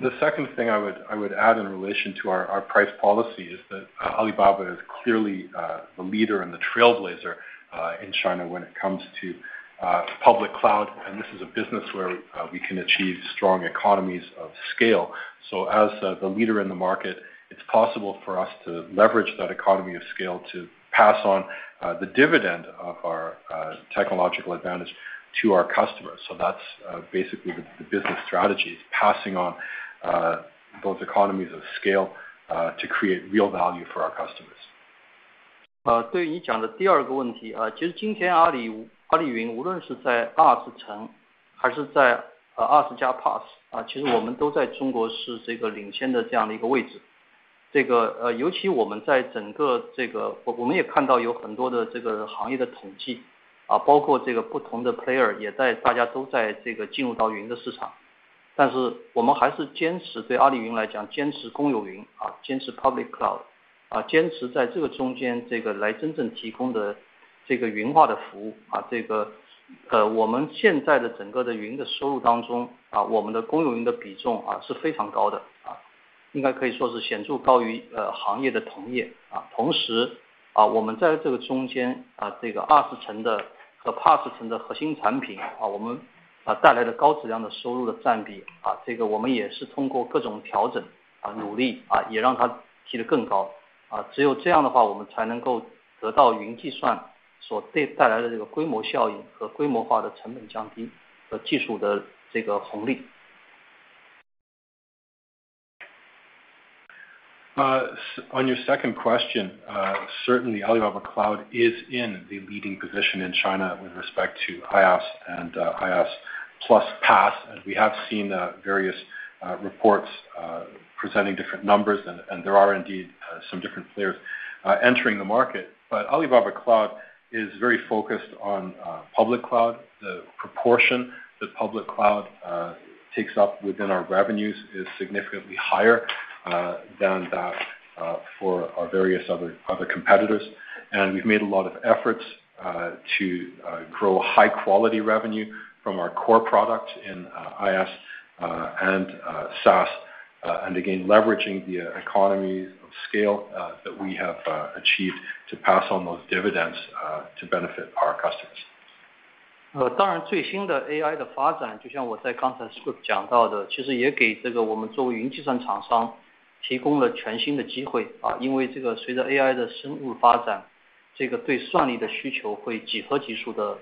The second thing I would add in relation to our price policy is that Alibaba is clearly the leader and the trailblazer in China when it comes to public cloud. This is a business where we can achieve strong economies of scale. As the leader in the market, it's possible for us to leverage that economy of scale to pass on the dividend of our technological advantage to our customers. That's basically the business strategy is passing on those economies of scale to create real value for our customers. 对于你讲的第二个问 题， 其实今天阿 里， 阿里云无论是在 IaaS 层还是在 IaaS 加 PaaS， 其实我们都在中国是这个领先的这样的一个位置。这个尤其我们在整个这个我们也看到有很多的这个行业的统 计， 包括这个不同的 player， 也在大家都在这个进入到云的市场。我们还是坚持对阿里云来 讲， 坚持公有 云， 坚持 public cloud, 坚持在这个中间这个来真正提供的这个云化的服务。这个我们现在的整个的云的收入当 中， 我们的公有云的比重是非常高 的， 应该可以说是显著高于行业的同业。同时我们在这个中间这个 IaaS 层和 PaaS 层的核心产 品， 我们带来的高质量的收入的占 比， 这个我们也是通过各种调整、努 力， 也让它提得更高。只有这样的 话， 我们才能够得到云计算所带来的这个规模效应和规模化的成本降低和技术的这个红利。On your second question, certainly Alibaba Cloud is in the leading position in China with respect to IaaS and IaaS plus PaaS. We have seen various reports presenting different numbers, and there are indeed some different players entering the market. Alibaba Cloud is very focused on public cloud. The proportion that public cloud takes up within our revenues is significantly higher than that for our various other competitors. We've made a lot of efforts to grow high-quality revenue from our core product in IaaS and SaaS, and again, leveraging the economy of scale that we have achieved to pass on those dividends to benefit our customers. 当然最新的 AI 的 发展, 就像我在刚才 script 讲到的, 其实也给这个我们作为云计算厂商提供了全新的 机会. 这个随着 AI 的深入 发展, 这个对算力的需求会几何级数地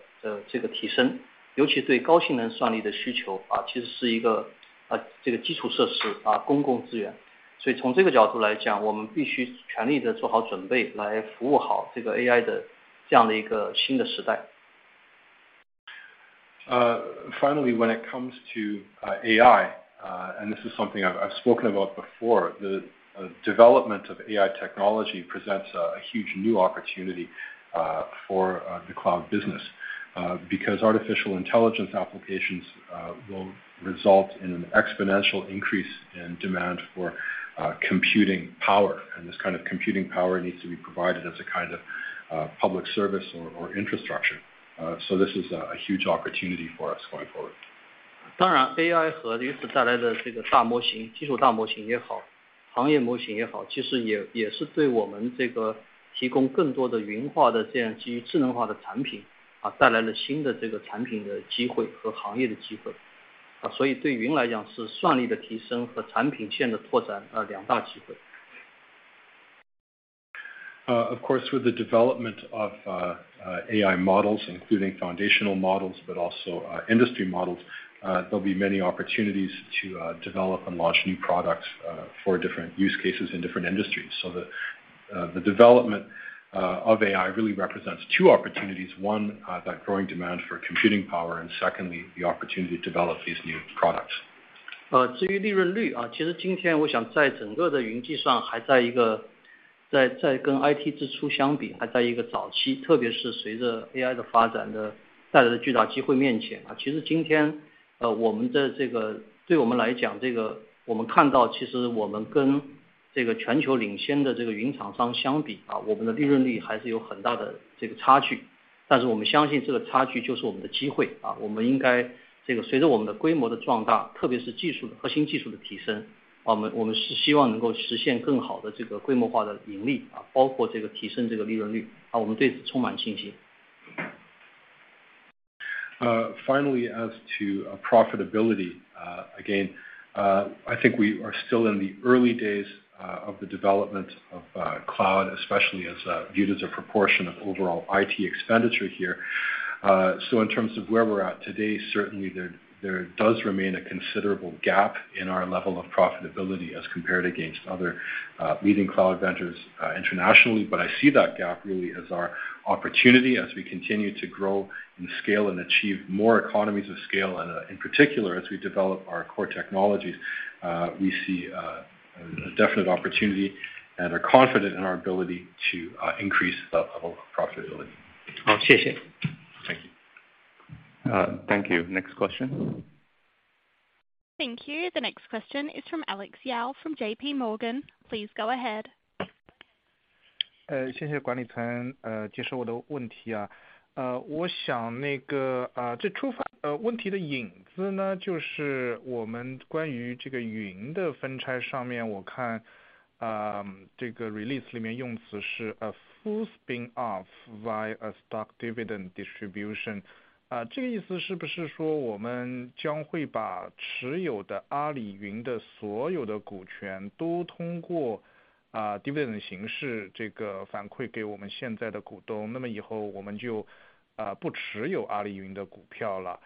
这个 提升, 尤其对高性能算力的 需求, 其实是一个这个基础设施公共 资源. 从这个角度 来讲, 我们必须全力地做好准备来服务好这个 AI 的这样的一个新的 时代. Finally, when it comes to AI, this is something I've spoken about before, the development of AI technology presents a huge new opportunity for the cloud business. Because artificial intelligence applications will result in an exponential increase in demand for computing power. This kind of computing power needs to be provided as a kind of public service or infrastructure. This is a huge opportunity for us going forward. 当然 AI 和于是带来的这个大模 型， 技术大模型也 好， 行业模型也 好， 其实也是对我们这个提供更多的云化的这样基于智能化的产 品， 带来了新的这个产品的机会和行业的机会。所以对云来讲是算力的提升和产品线的拓展两大机会。Of course, with the development of AI models, including foundational models, but also industry models, there'll be many opportunities to develop and launch new products for different use cases in different industries. The development of AI really represents two opportunities: one, by growing demand for computing power, and secondly, the opportunity to develop these new products. 至于利润 率， 其实今天我想在整个的云计算还在一个在跟 IT 支出相 比， 还在一个早 期， 特别是随着 AI 的发展带来的巨大机会面前。其实今天我们的这个对我们来讲这个我们看到其实我们跟这个全球领先的这个云厂商相比 啊， 我们的利润率还是有很大的这个差距。我们相信这个差距就是我们的机会 啊， 我们应该这个随着我们的规模的壮 大， 特别是技术核心技术的提 升， 我 们， 我们是希望能够实现更好的这个规模化的盈 利， 包括这个提升这个利润 率， 我们对此充满信心。Finally, as to profitability. Again, I think we are still in the early days of the development of cloud, especially as viewed as a proportion of overall IT expenditure here. In terms of where we're at today, certainly there does remain a considerable gap in our level of profitability as compared against other leading cloud ventures internationally. I see that gap really as our opportunity as we continue to grow in scale and achieve more economies of scale. In particular, as we develop our core technologies, we see a definite opportunity and are confident in our ability to increase that level of profitability. 好， 谢谢。Thank you. Thank you. Next question. Thank you. The next question is from Alex Yao from JPMorgan. Please go ahead. 谢谢管理层接受我的问题。我想那个这出发问题的引子 呢， 就是我们关于这个云的分拆上 面， 我看这个 release 里面用词是 a full spin-off via a stock dividend distribution。这个意思是不是说我们将会把持有的 Alibaba Cloud 的所有的股权都通过 dividend 形式这个反馈给我们现在的股 东， 那么以后我们就不持有 Alibaba Cloud 的股票了？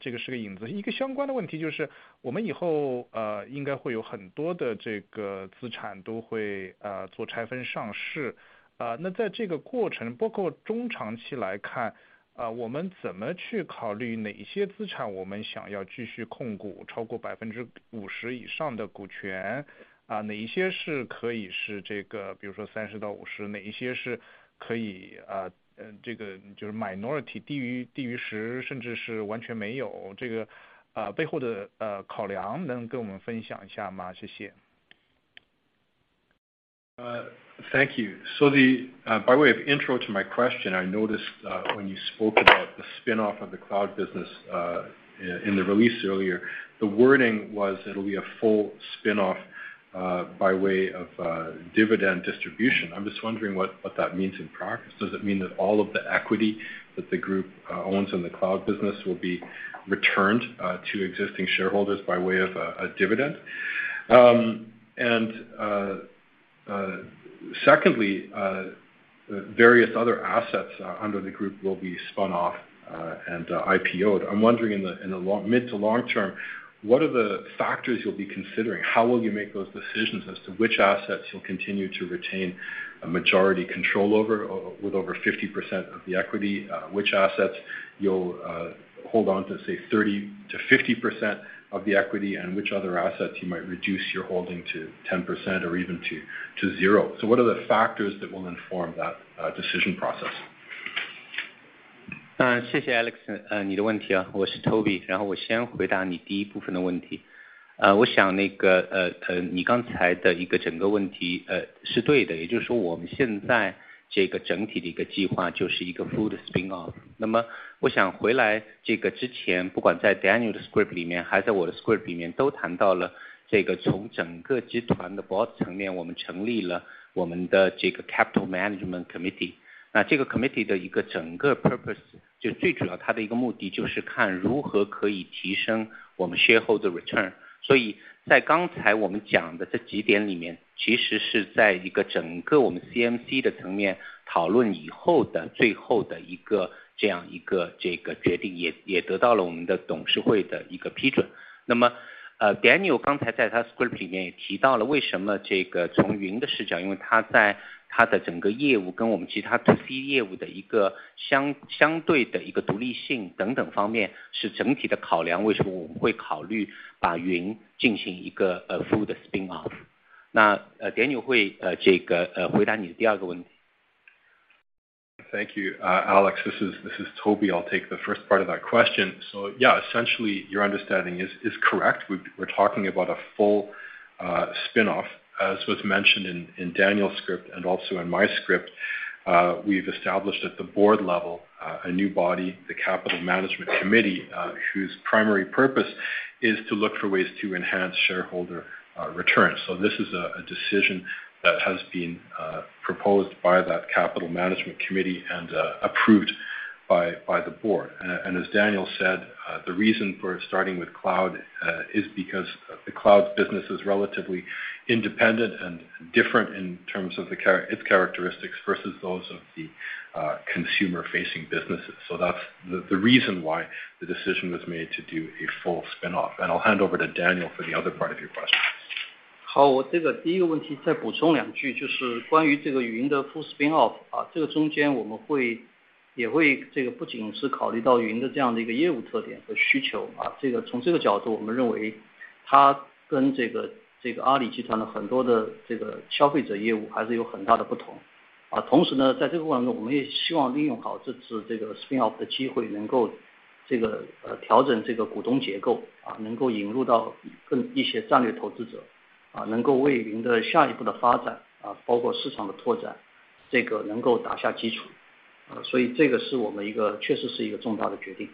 这个是个引子。一个相关的问题就是我们以后应该会有很多的这个资产都会做拆分上 市， 那在这个过 程， 包括中长期来 看， 我们怎么去考虑哪一些资产我们想要继续控股超过 50% 以上的股 权， 哪一些是可以是这 个， 比如说 30%-50%， 哪一些是可以这个就是 minority 低于 10%， 甚至是完全没有。这个背后的考量能跟我们分享一下 吗？ 谢谢。Thank you. By way of intro to my question, I noticed when you spoke about the spin-off of the Cloud Intelligence Group in the release earlier, the wording was it'll be a full spin-off by way of dividend distribution. I'm just wondering what that means in practice. Does it mean that all of the equity that the group owns in the Cloud Intelligence Group will be returned to existing shareholders by way of a dividend? Secondly, various other assets under the group will be spun off and IPOed. I'm wondering in the long mid to long term what are the factors you'll be considering? How will you make those decisions as to which assets you'll continue to retain a majority control over with over 50% of the equity? Which assets you'll hold on to, say 30%-50% of the equity? Which other assets you might reduce your holding to 10% or even to 0? What are the factors that will inform that decision process? 谢谢 Alex 你的问题 啊， 我是 Toby。然后我先回答你第一部分的问题。呃我想那个呃你刚才的一个整个问题呃是对 的， 也就是说我们现在这个整体的一个计划就是一个 full spin-off。那么我想回来这个之前不管在 Daniel 的 script 里 面， 还是在我的 script 里 面， 都谈到了这个从整个集团的 board 层 面， 我们成立了我们的这个 Capital Management Committee， 那这个 committee 的一个整个 purpose 就最主要它的一个目的就是看如何可以提升我们 sharehold return。所以在刚才我们讲的这几点里 面， 其实是在一个整个我们 CMC 的层面讨论以后的最后的一个这样一个这个决 定， 也， 也得到了我们的董事会的一个批准。那么 Daniel 刚才在他的 script 里面也提到了为什么这个从云的视 角， 因为他在他的整个业务跟我们其他 To C 业务的一个 相， 相对的一个独立性等等方面是整体的考 量， 为什么我们会考虑把云进行一个 full spin-off。那 Daniel 会这个回答你的第二个问题。Thank you, Alex. This is Toby. I'll take the first part of that question. Yeah, essentially your understanding is correct. We are talking about a full spin-off. As was mentioned in Daniel's script and also in my script, we've established at the board level a new body, the Capital Management Committee, whose primary purpose is to look for ways to enhance shareholder return. This is a decision that has been proposed by that Capital Management Committee and approved by the board. As Daniel said, the reason for starting with cloud is because the cloud business is relatively independent and different in terms of its characteristics versus those of the consumer facing businesses. That's the reason why the decision was made to do a full spin-off. I'll hand over to Daniel for the other part of your question. 好， 我这个第一个问题再补充两 句， 就是关于这个云的 full spin-off， 啊这个中间我们会也会这个不仅是考虑到云的这样的一个业务特点和需求 啊， 这个从这个角度我们认为它跟这 个， 这个阿里集团的很多的这个消费者业务还是有很大的不同。啊同时呢在这个过程 中， 我们也希望利用好这次这个 spin off 的机 会， 能够这个 呃， 调整这个股东结构 啊， 能够引入到更一些战略投资 者， 啊能够为您的下一步的发展 啊， 包括市场的拓 展， 这个能够打下基础。呃所以这个是我们一个确实是一个重大的决定。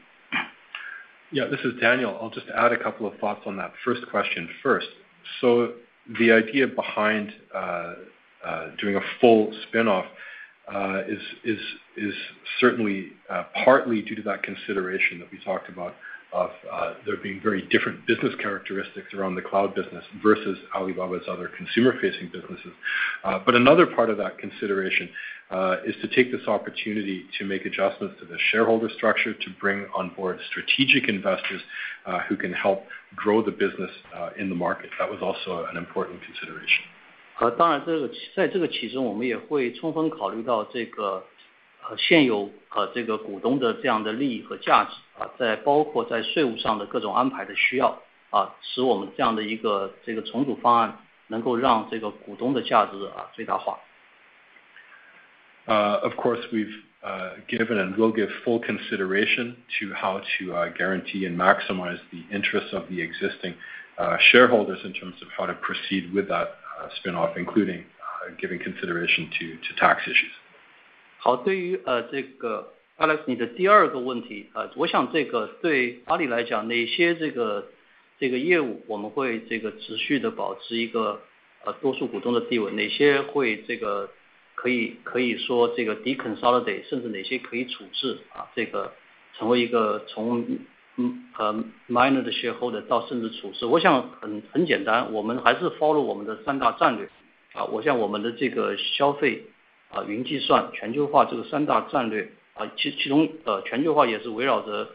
Yeah, this is Daniel. I'll just add a couple of thoughts on that first question first. The idea behind a full spin-off is certainly partly due to that consideration that we talked about of there being very different business characteristics around the cloud business versus Alibaba's other consumer facing businesses. Another part of that consideration is to take this opportunity to make adjustments to the shareholder structure to bring on board strategic investors who can help grow the business in the market. That was also an important consideration. 当然这个在这个其中我们也会充分考虑到这个现有这个股东的这样的利益和价 值, 在包括在税务上的各种安排的需 要, 使我们这样的一个这个重组方案能够让这个股东的价值最大 化. Of course we've given and will give full consideration to how to guarantee and maximize the interests of the existing shareholders in terms of how to proceed with that spin off, including giving consideration to tax issues. 好，对 于这个 Alex 你的第二个问 题，我 想对阿里来 讲，哪 些业务我们会持续地保持一个多数股东的地 位，哪 些会可以说 deconsolidate，甚 至哪些可以处 置，成 为一个从 minor 的 shareholder 到甚至处置。我想很简 单，我 们还是 follow 我们的三大战略。我想我们的消费、云计算、全球化三大战 略，其 中全球化也是围绕着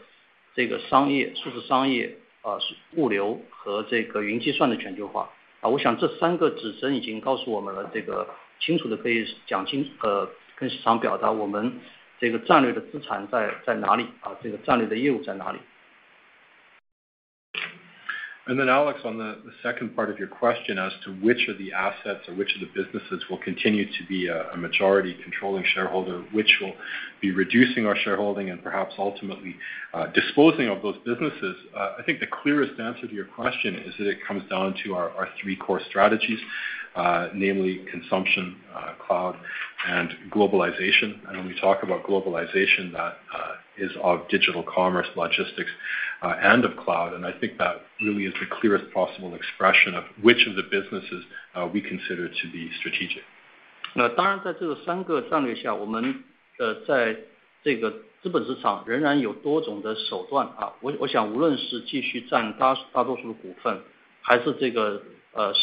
商业、数字商业、物流和云计算的全球化。我想这三个指针已经告诉我们 了，清 楚地可以讲 清，跟 市场表达我们战略的资产在哪 里，战 略的业务在哪里。Then Alex, on the second part of your question as to which of the assets or which of the businesses will continue to be a majority controlling shareholder, which will be reducing our shareholding and perhaps ultimately disposing of those businesses. I think the clearest answer to your question is that it comes down to our three core strategies, namely consumption, cloud, and globalization. When we talk about globalization, that is of digital commerce, logistics and of cloud. I think that really is the clearest possible expression of which of the businesses we consider to be strategic. 当然在这个三个战略 下， 我们在这个资本市场仍然有多种的手段。我想无论是继续占大多数的股 份， 还是这个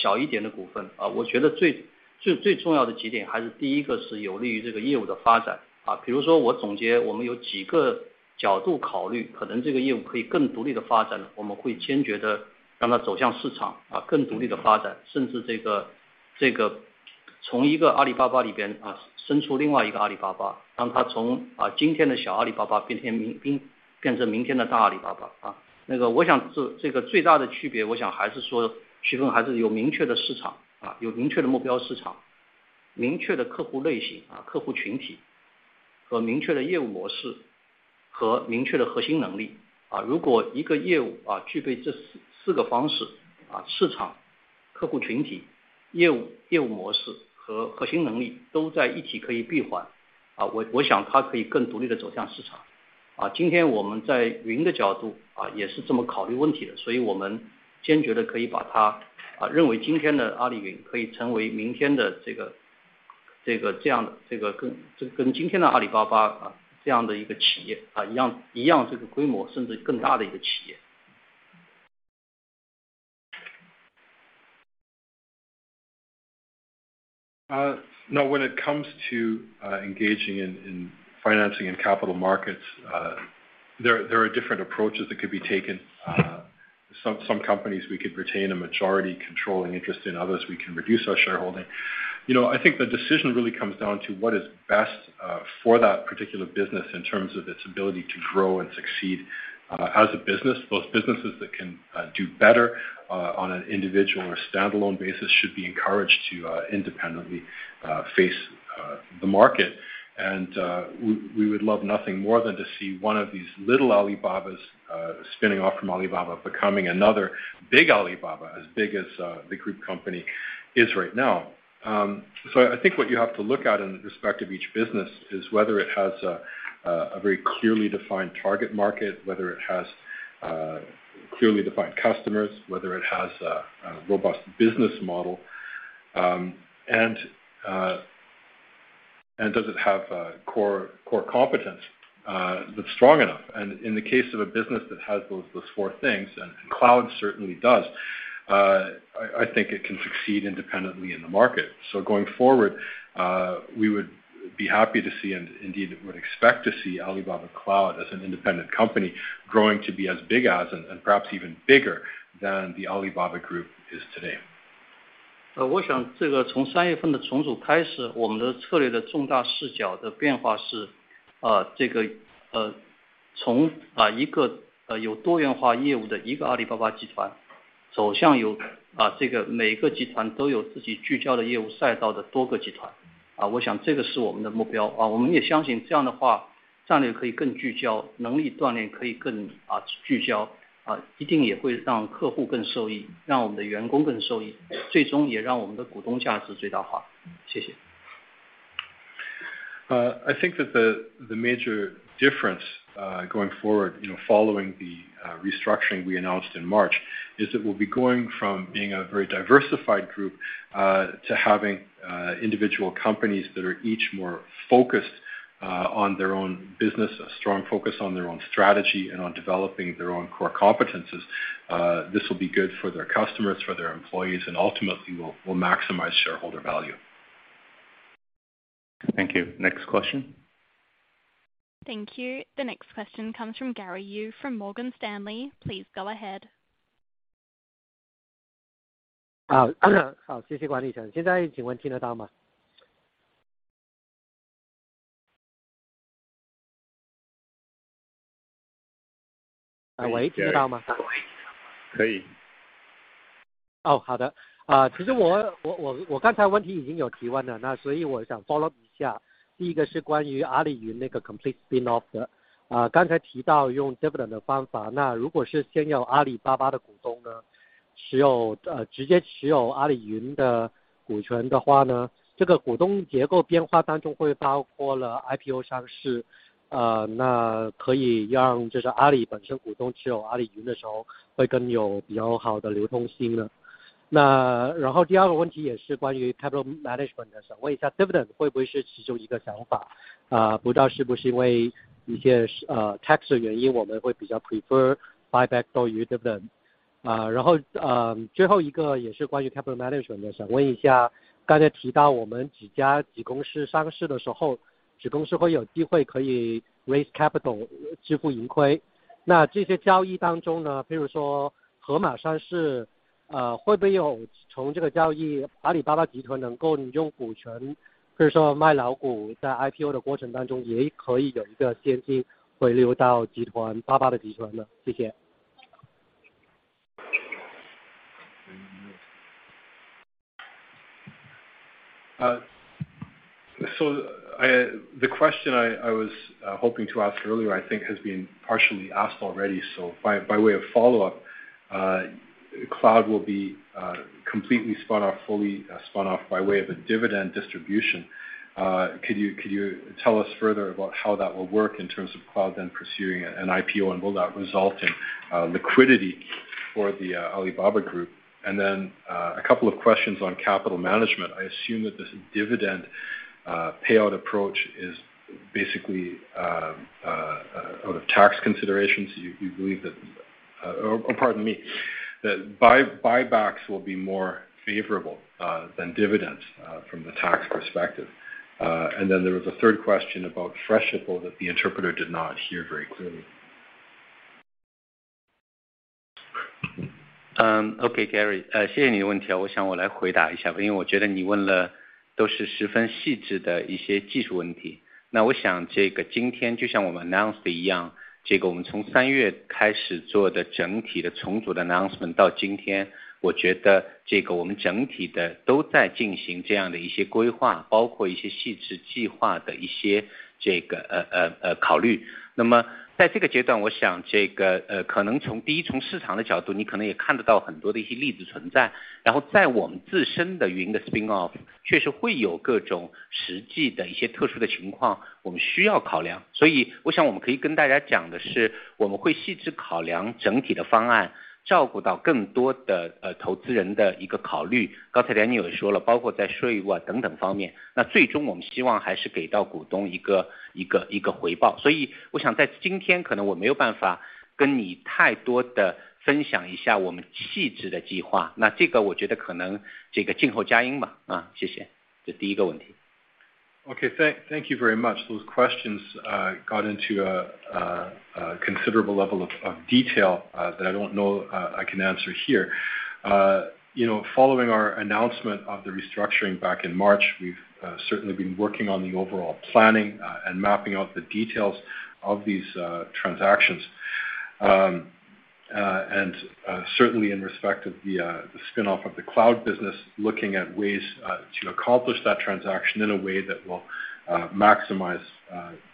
小一点的股 份， 我觉得最重要的几点还是第一个是有利于这个业务的发展。比如说我总结我们有几个角度考 虑， 可能这个业务可以更独立地发 展， 我们会坚决地让它走向市 场， 更独立地发 展， 甚至这个从一个 Alibaba 里边生出另外一个 Alibaba， 让它从今天的小 Alibaba 变成明天的大 Alibaba。那个我想这个最大的区 别， 我想还是说区分还是有明确的市 场， 有明确的目标市 场， 明确的客户类 型， 客户群体和明确的业务模式和明确的核心能力。如果一个业务具备这四个方 式， 市场、客户群体、业 no. When it comes to engaging in financing and capital markets, there are different approaches that could be taken. Some companies we could retain a majority controlling interest. In others we can reduce our shareholding. You know, I think the decision really comes down to what is best for that particular business in terms of its ability to grow and succeed as a business. Those businesses that can do better on an individual or standalone basis should be encouraged to independently face the market. We would love nothing more than to see one of these little Alibabas spinning off from Alibaba becoming another big Alibaba as big as the group company is right now. I think what you have to look at in respect of each business is whether it has a very clearly defined target market, whether it has clearly defined customers, whether it has a robust business model, and does it have a core competence that's strong enough? In the case of a business that has those four things, and Alibaba Cloud certainly does, I think it can succeed independently in the market. Going forward, we would be happy to see, and indeed would expect to see Alibaba Cloud as an independent company growing to be as big as and perhaps even bigger than the Alibaba Group is today. 我想这个从三月份的重组开始我们的策略的重大视角的变化是这个从一个有多元化业务的一个阿里巴巴集团走向有这个每个集团都有自己聚焦的业务赛道的多个集团。我想这个是我们的目 标， 我们也相信这样的话战略可以更聚 焦， 能力锻炼可以更聚焦一定也会让客户更受 益， 让我们的员工更受 益， 最终也让我们的股东价值最大化。谢谢。I think that the major difference going forward, you know, following the restructuring we announced in March is that we'll be going from being a very diversified group to having individual companies that are each more focused on their own business, a strong focus on their own strategy and on developing their own core competencies. This will be good for their customers, for their employees, and ultimately will maximize shareholder value. Thank you. Next question. Thank you. The next question comes from Gary Yu from Morgan Stanley. Please go ahead. 好， 谢谢管理层。现在请问听得到 吗？ 喂， 听得到 吗？ 可以. 哦好的。啊其实我-我-我刚才问题已经有提问 了， 那所以我想 follow 一下。第一个是关于阿里云那个 complete spin-off 的， 啊刚才提到用 dividend 的方 法， 那如果是现有阿里巴巴的股东 呢， 持有--呃直接持有阿里云的股权的话 呢， 这个股东结构变化当中会包括了 IPO 上 市， 呃那可以让就是阿里本身股东持有阿里云的时候会更有比较好的流通性呢。那然后第二个问题也是关于 capital management 的， 想问一下 dividend 会不会是其中一个想 法？ 啊不知道是不是因为一些呃 tax 的原 因， 我们会比较 prefer buyback 多于 dividend。啊然后 呃， 最后一个也是关于 capital management 的， 想问一下刚才提到我们几家子公司上市的时 候， 子公司会有机会可以 raise capital 支付盈亏。那这些交易当中 呢， 譬如说盒马上市，呃会不会有从这个交 易， 阿里巴巴集团能够用股 权， 譬如说卖老 股， 在 IPO 的过程当中也可以有一个现金回流到集团巴巴的集团 呢？ 谢谢。The question I was hoping to ask earlier I think has been partially asked already so by way of follow-up, Cloud will be completely spun off, fully spun off by way of a dividend distribution. Could you tell us further about how that will work in terms of Cloud then pursuing an IPO? Will that result in liquidity for the Alibaba Group? A couple of questions on capital management. I assume that this dividend payout approach is basically out of tax considerations. You believe that or pardon me, that buybacks will be more favorable than dividends from the tax perspective. There was a third question about Freshippo that the interpreter did not hear very clearly. 嗯 OK，Gary。谢谢你的问 题， 我想我来回答一 下， 因为我觉得你问的都是十分细致的一些技术问题。那我想这个今天就像我们 announce 的一样，这个我们从三月开始做的整体的重组的 announcement 到今 天， 我觉得这个我们整体的都在进行这样的一些规 划， 包括一些细致计划的一些这个呃呃呃考虑。那么在这个阶 段， 我想这个呃可能从第一从市场的角 度， 你可能也看得到很多的一些例子存 在， 然后在我们自身的云的 spin-off 确实会有各种实际的一些特殊的情 况， 我们需要考量。所以我想我们可以跟大家讲的 是， 我们会细致考量整体的方案，照顾到更多的呃投资人的一个考虑。刚才 Daniel 也说 了， 包括在税务啊等等方 面， 那最终我们希望还是给到股东一 个， 一 个， 一个回报。所以我想在今天可能我没有办法跟你太多的分享一下我们细致的计 划， 那这个我觉得可能这个静候佳音吧。啊谢谢。这第一个问题。Okay, thank you very much. Those questions got into a considerable level of detail that I don't know I can answer here. You know following our announcement of the restructuring back in March, we've certainly been working on the overall planning and mapping out the details of these transactions. Certainly in respect of the spin-off of the cloud business, looking at ways to accomplish that transaction in a way that will maximize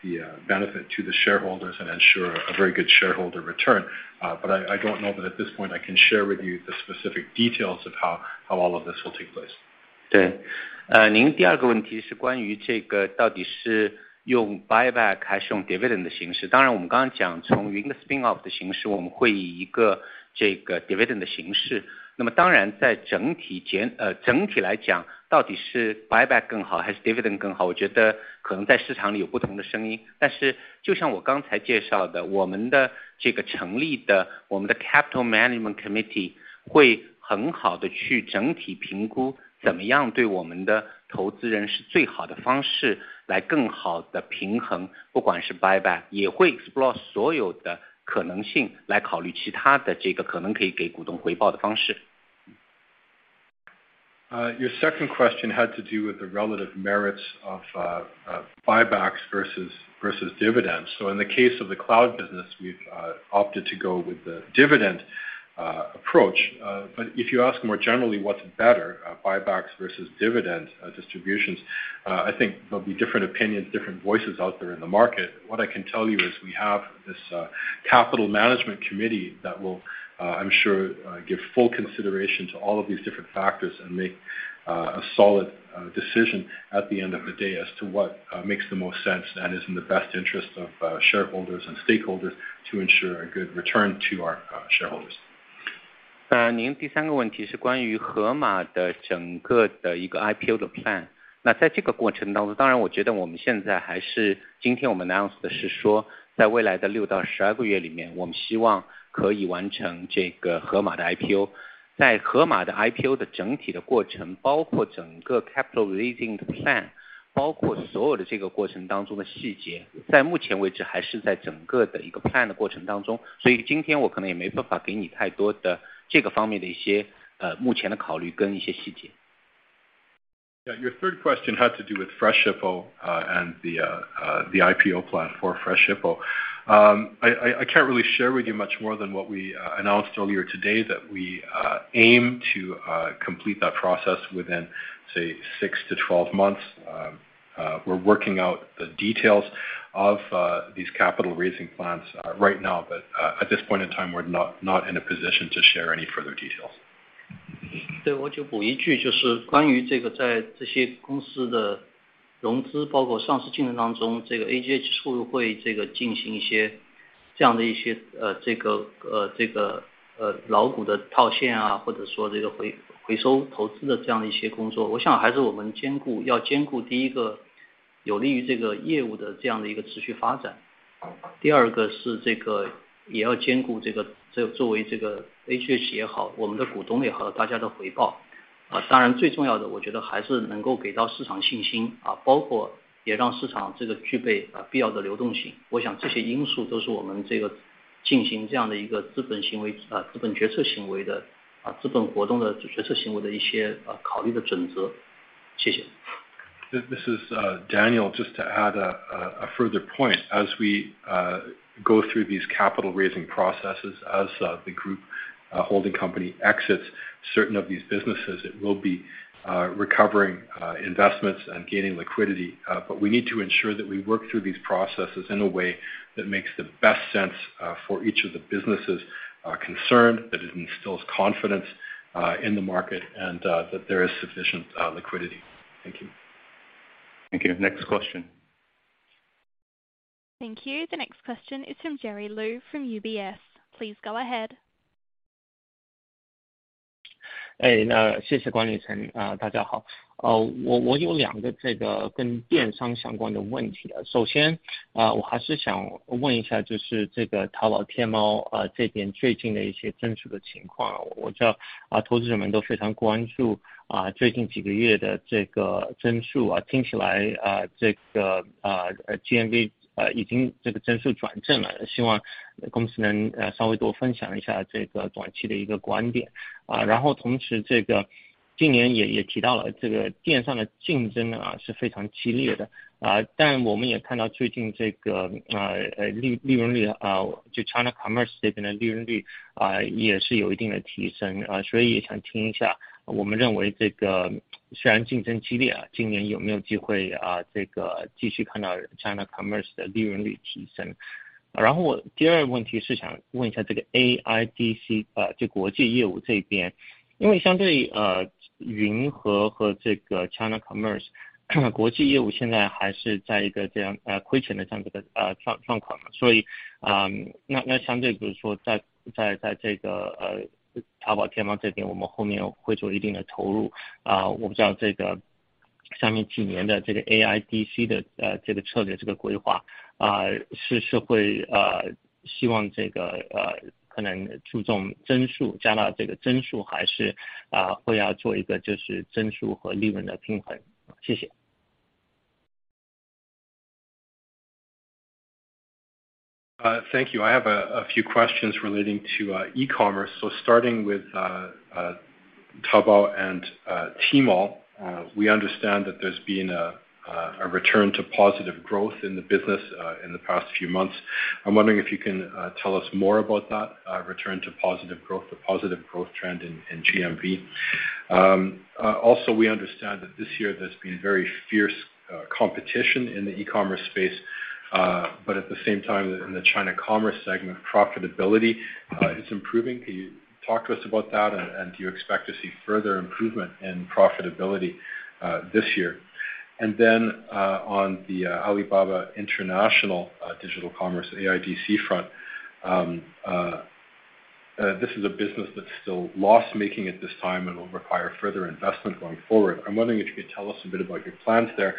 the benefit to the shareholders and ensure a very good shareholder return. I don't know that at this point I can share with you the specific details of how all of this will take place. 对. 您第二个问题是关于这个到底是用 buyback 还是用 dividend 的形 式. 当然我们刚刚讲从云的 spin-off 的形 式, 我们会以一个这个 dividend 的形 式. 那么当然在整体来 讲, 到底是 buyback 更好还是 dividend 更 好, 我觉得可能在市场里有不同的声 音. 就像我刚才介绍 的, 我们的这个成立的我们的 Capital Management Committee 会很好地去整体估怎么样对我们的投资人是最好的方式来更好地平 衡, 不管是 buyback, 也会 explore 所有的可能性来考虑其他的这个可能可以给股东回报的方 式. Your second question had to do with the relative merits of buybacks versus dividends. In the case of the cloud business, we've opted to go with the dividend approach. If you ask more generally what's better, buybacks versus dividend distributions, I think there'll be different opinions, different voices out there in the market. I can tell you is we have this Capital Management Committee that will, I'm sure, give full consideration to all of these different factors and make a solid decision at the end of the day as to what makes the most sense and is in the best interest of shareholders and stakeholders to ensure a good return to our shareholders. Yeah, your third question had to do with Freshippo, and the IPO plan for Freshippo. I can't really share with you much more than what we announced earlier today that we aim to complete that process within, say 6-12 months. We're working out the details of these capital raising plans right now. At this point in time, we're not in a position to share any further details. This is Daniel. Just to add a further point. As we go through these capital raising processes, as the group holding company exits certain of these businesses, it will be recovering investments and gaining liquidity. We need to ensure that we work through these processes in a way that makes the best sense, for each of the businesses, concerned, that it instills confidence, in the market and, that there is sufficient liquidity. Thank you. Thank you. Next question. Thank you. The next question is from Jerry Liu from UBS. Please go ahead. Thank you. Thank you. I have a few questions relating to e-commerce. Starting with Taobao and Tmall. We understand that there's been a return to positive growth in the business in the past few months. I'm wondering if you can tell us more about that return to positive growth, the positive growth trend in GMV. Also, we understand that this year there's been very fierce competition in the e-commerce space. At the same time, in the China commerce segment, profitability is improving. Can you talk to us about that? Do you expect to see further improvement in profitability this year? On the Alibaba International Digital Commerce, AIDC front, this is a business that's still loss-making at this time and will require further investment going forward. I'm wondering if you could tell us a bit about your plans there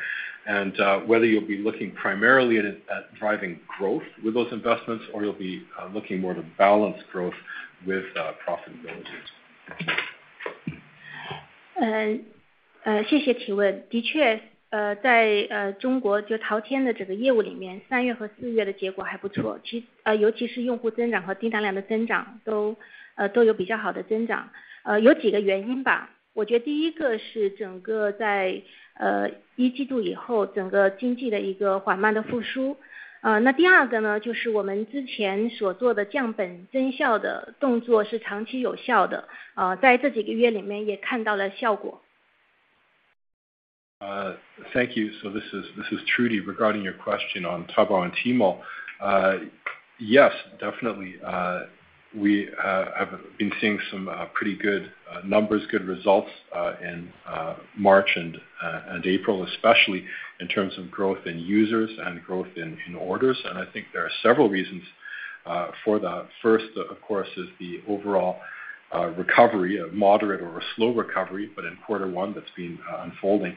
and whether you'll be looking primarily at driving growth with those investments or you'll be looking more to balance growth with profitability? 呃谢谢提问。的确呃在呃中国就淘天的这个业务里 面， 三月和四月的结果还不 错， 其呃尤其是用户增长和订单量的增长都呃都有比较好的增长。呃有几个原因 吧， 我觉得第一个是整个在呃一季度以后整个经济的一个缓慢的复苏。啊那第二个 呢， 就是我们之前所做的降本增效的动作是长期有效 的， 啊在这几个月里面也看到了效果。Thank you. This is Trudy regarding your question on Taobao and Tmall. Yes, definitely we have been seeing some pretty good numbers, good results in March and April especially in terms of growth in users and growth in orders. I think there are several reasons for that. First of course is the overall recovery, a moderate or a slow recovery, but in quarter one that's been unfolding.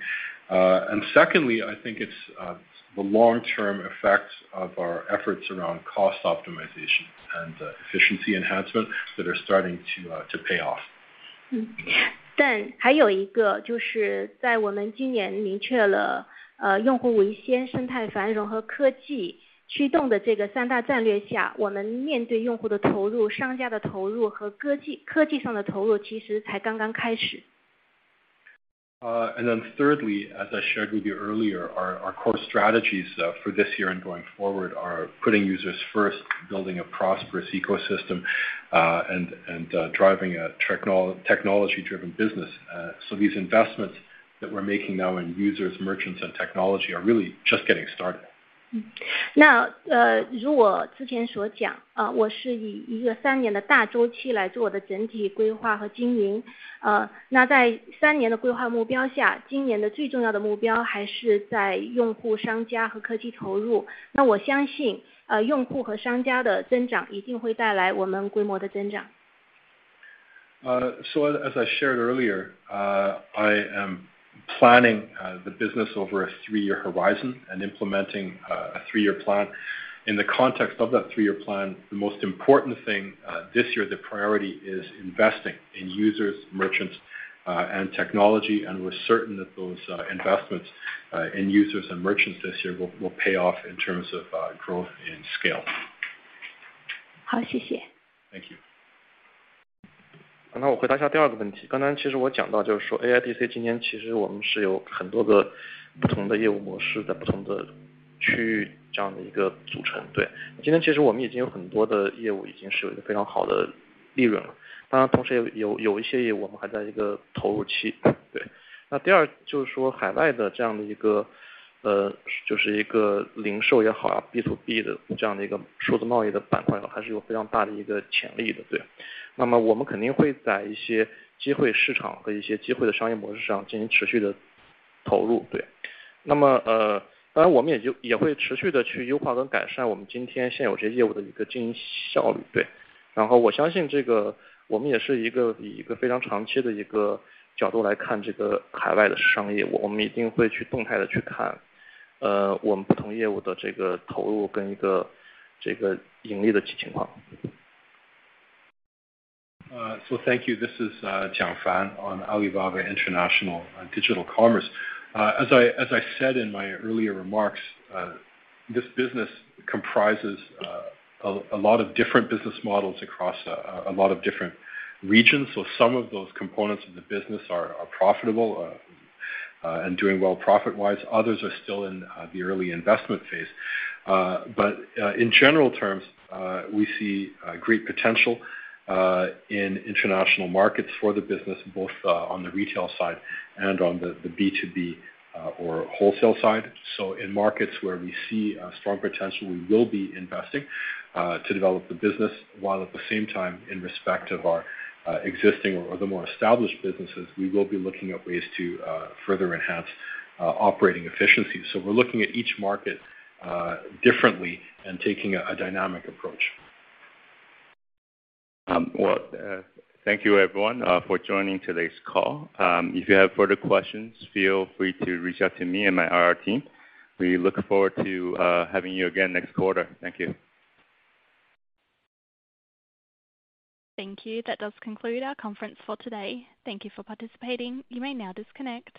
Secondly, I think it's the long term effects of our efforts around cost optimization and efficiency enhancement that are starting to pay off. 还有一个就是在我们今年明确了用户为 先, 生态繁荣和科技驱动的这个三大战略 下, 我们面对用户的投 入, 商家的投入和科 技, 科技上的投入其实才刚刚开 始. Thirdly, as I shared with you earlier, our core strategies for this year and going forward are putting users first, building a prosperous ecosystem and driving a technology driven business. These investments that we're making now in users, merchants and technology are really just getting started. 如我之前所 讲， 我是以一个3年的大周期来做我的整体规划和经营。在3年的规划目标 下， 今年的最重要的目标还是在用户、商家和科技投入。我相 信， 用户和商家的增长一定会带来我们规模的增长。As I shared earlier, I am planning the business over a three year horizon and implementing a three year plan. In the context of that three year plan, the most important thing this year, the priority is investing in users, merchants and technology. We're certain that those investments in users and merchants this year will pay off in terms of growth and scale. 好， 谢谢。Thank you. 我回答一下第二个问 题. 刚才其实我讲到就是说 AIDC 今天其实我们是有很多个不同的业务模式在不同的区域这样的一个组 成， 对. 今天其实我们已经有很多的业务已经是有一个非常好的利 润， 当然同时也有一些业务我们还在一个投入 期. 对. 第二就是说海外的这样的一 个， 就是一个零售也好 ，B2B 的这样的一个数字贸易的板块还是有非常大的一个潜力 的， 对. 我们肯定会在一些机会市场和一些机会的商业模式上进行持续的投 入， 对. 当然我们也就也会持续地去优化跟改善我们今天现有这些业务的一个经营效 率， 对. 我相信这个我们也是一个以一个非常长期的一个角度来看这个海外的商 业， 我们一定会去动态地去看我们不同业务的这个投入跟这个盈利的情 况. Thank you. This is Jiang Fan on Alibaba International Digital Commerce. As I said in my earlier remarks, this business comprises a lot of different business models across a lot of different regions. Some of those components of the business are profitable and doing well profit wise. Others are still in the early investment phase, in general terms, we see great potential in international markets for the business, both on the retail side and on the B2B or wholesale side. In markets where we see a strong potential, we will be investing to develop the business, while at the same time in respect of our existing or the more established businesses, we will be looking at ways to further enhance operating efficiency. We're looking at each market differently and taking a dynamic approach. Well, thank you everyone for joining today's call. If you have further questions, feel free to reach out to me and my IR team. We look forward to having you again next quarter. Thank you. Thank you. That does conclude our conference for today. Thank you for participating. You may now disconnect.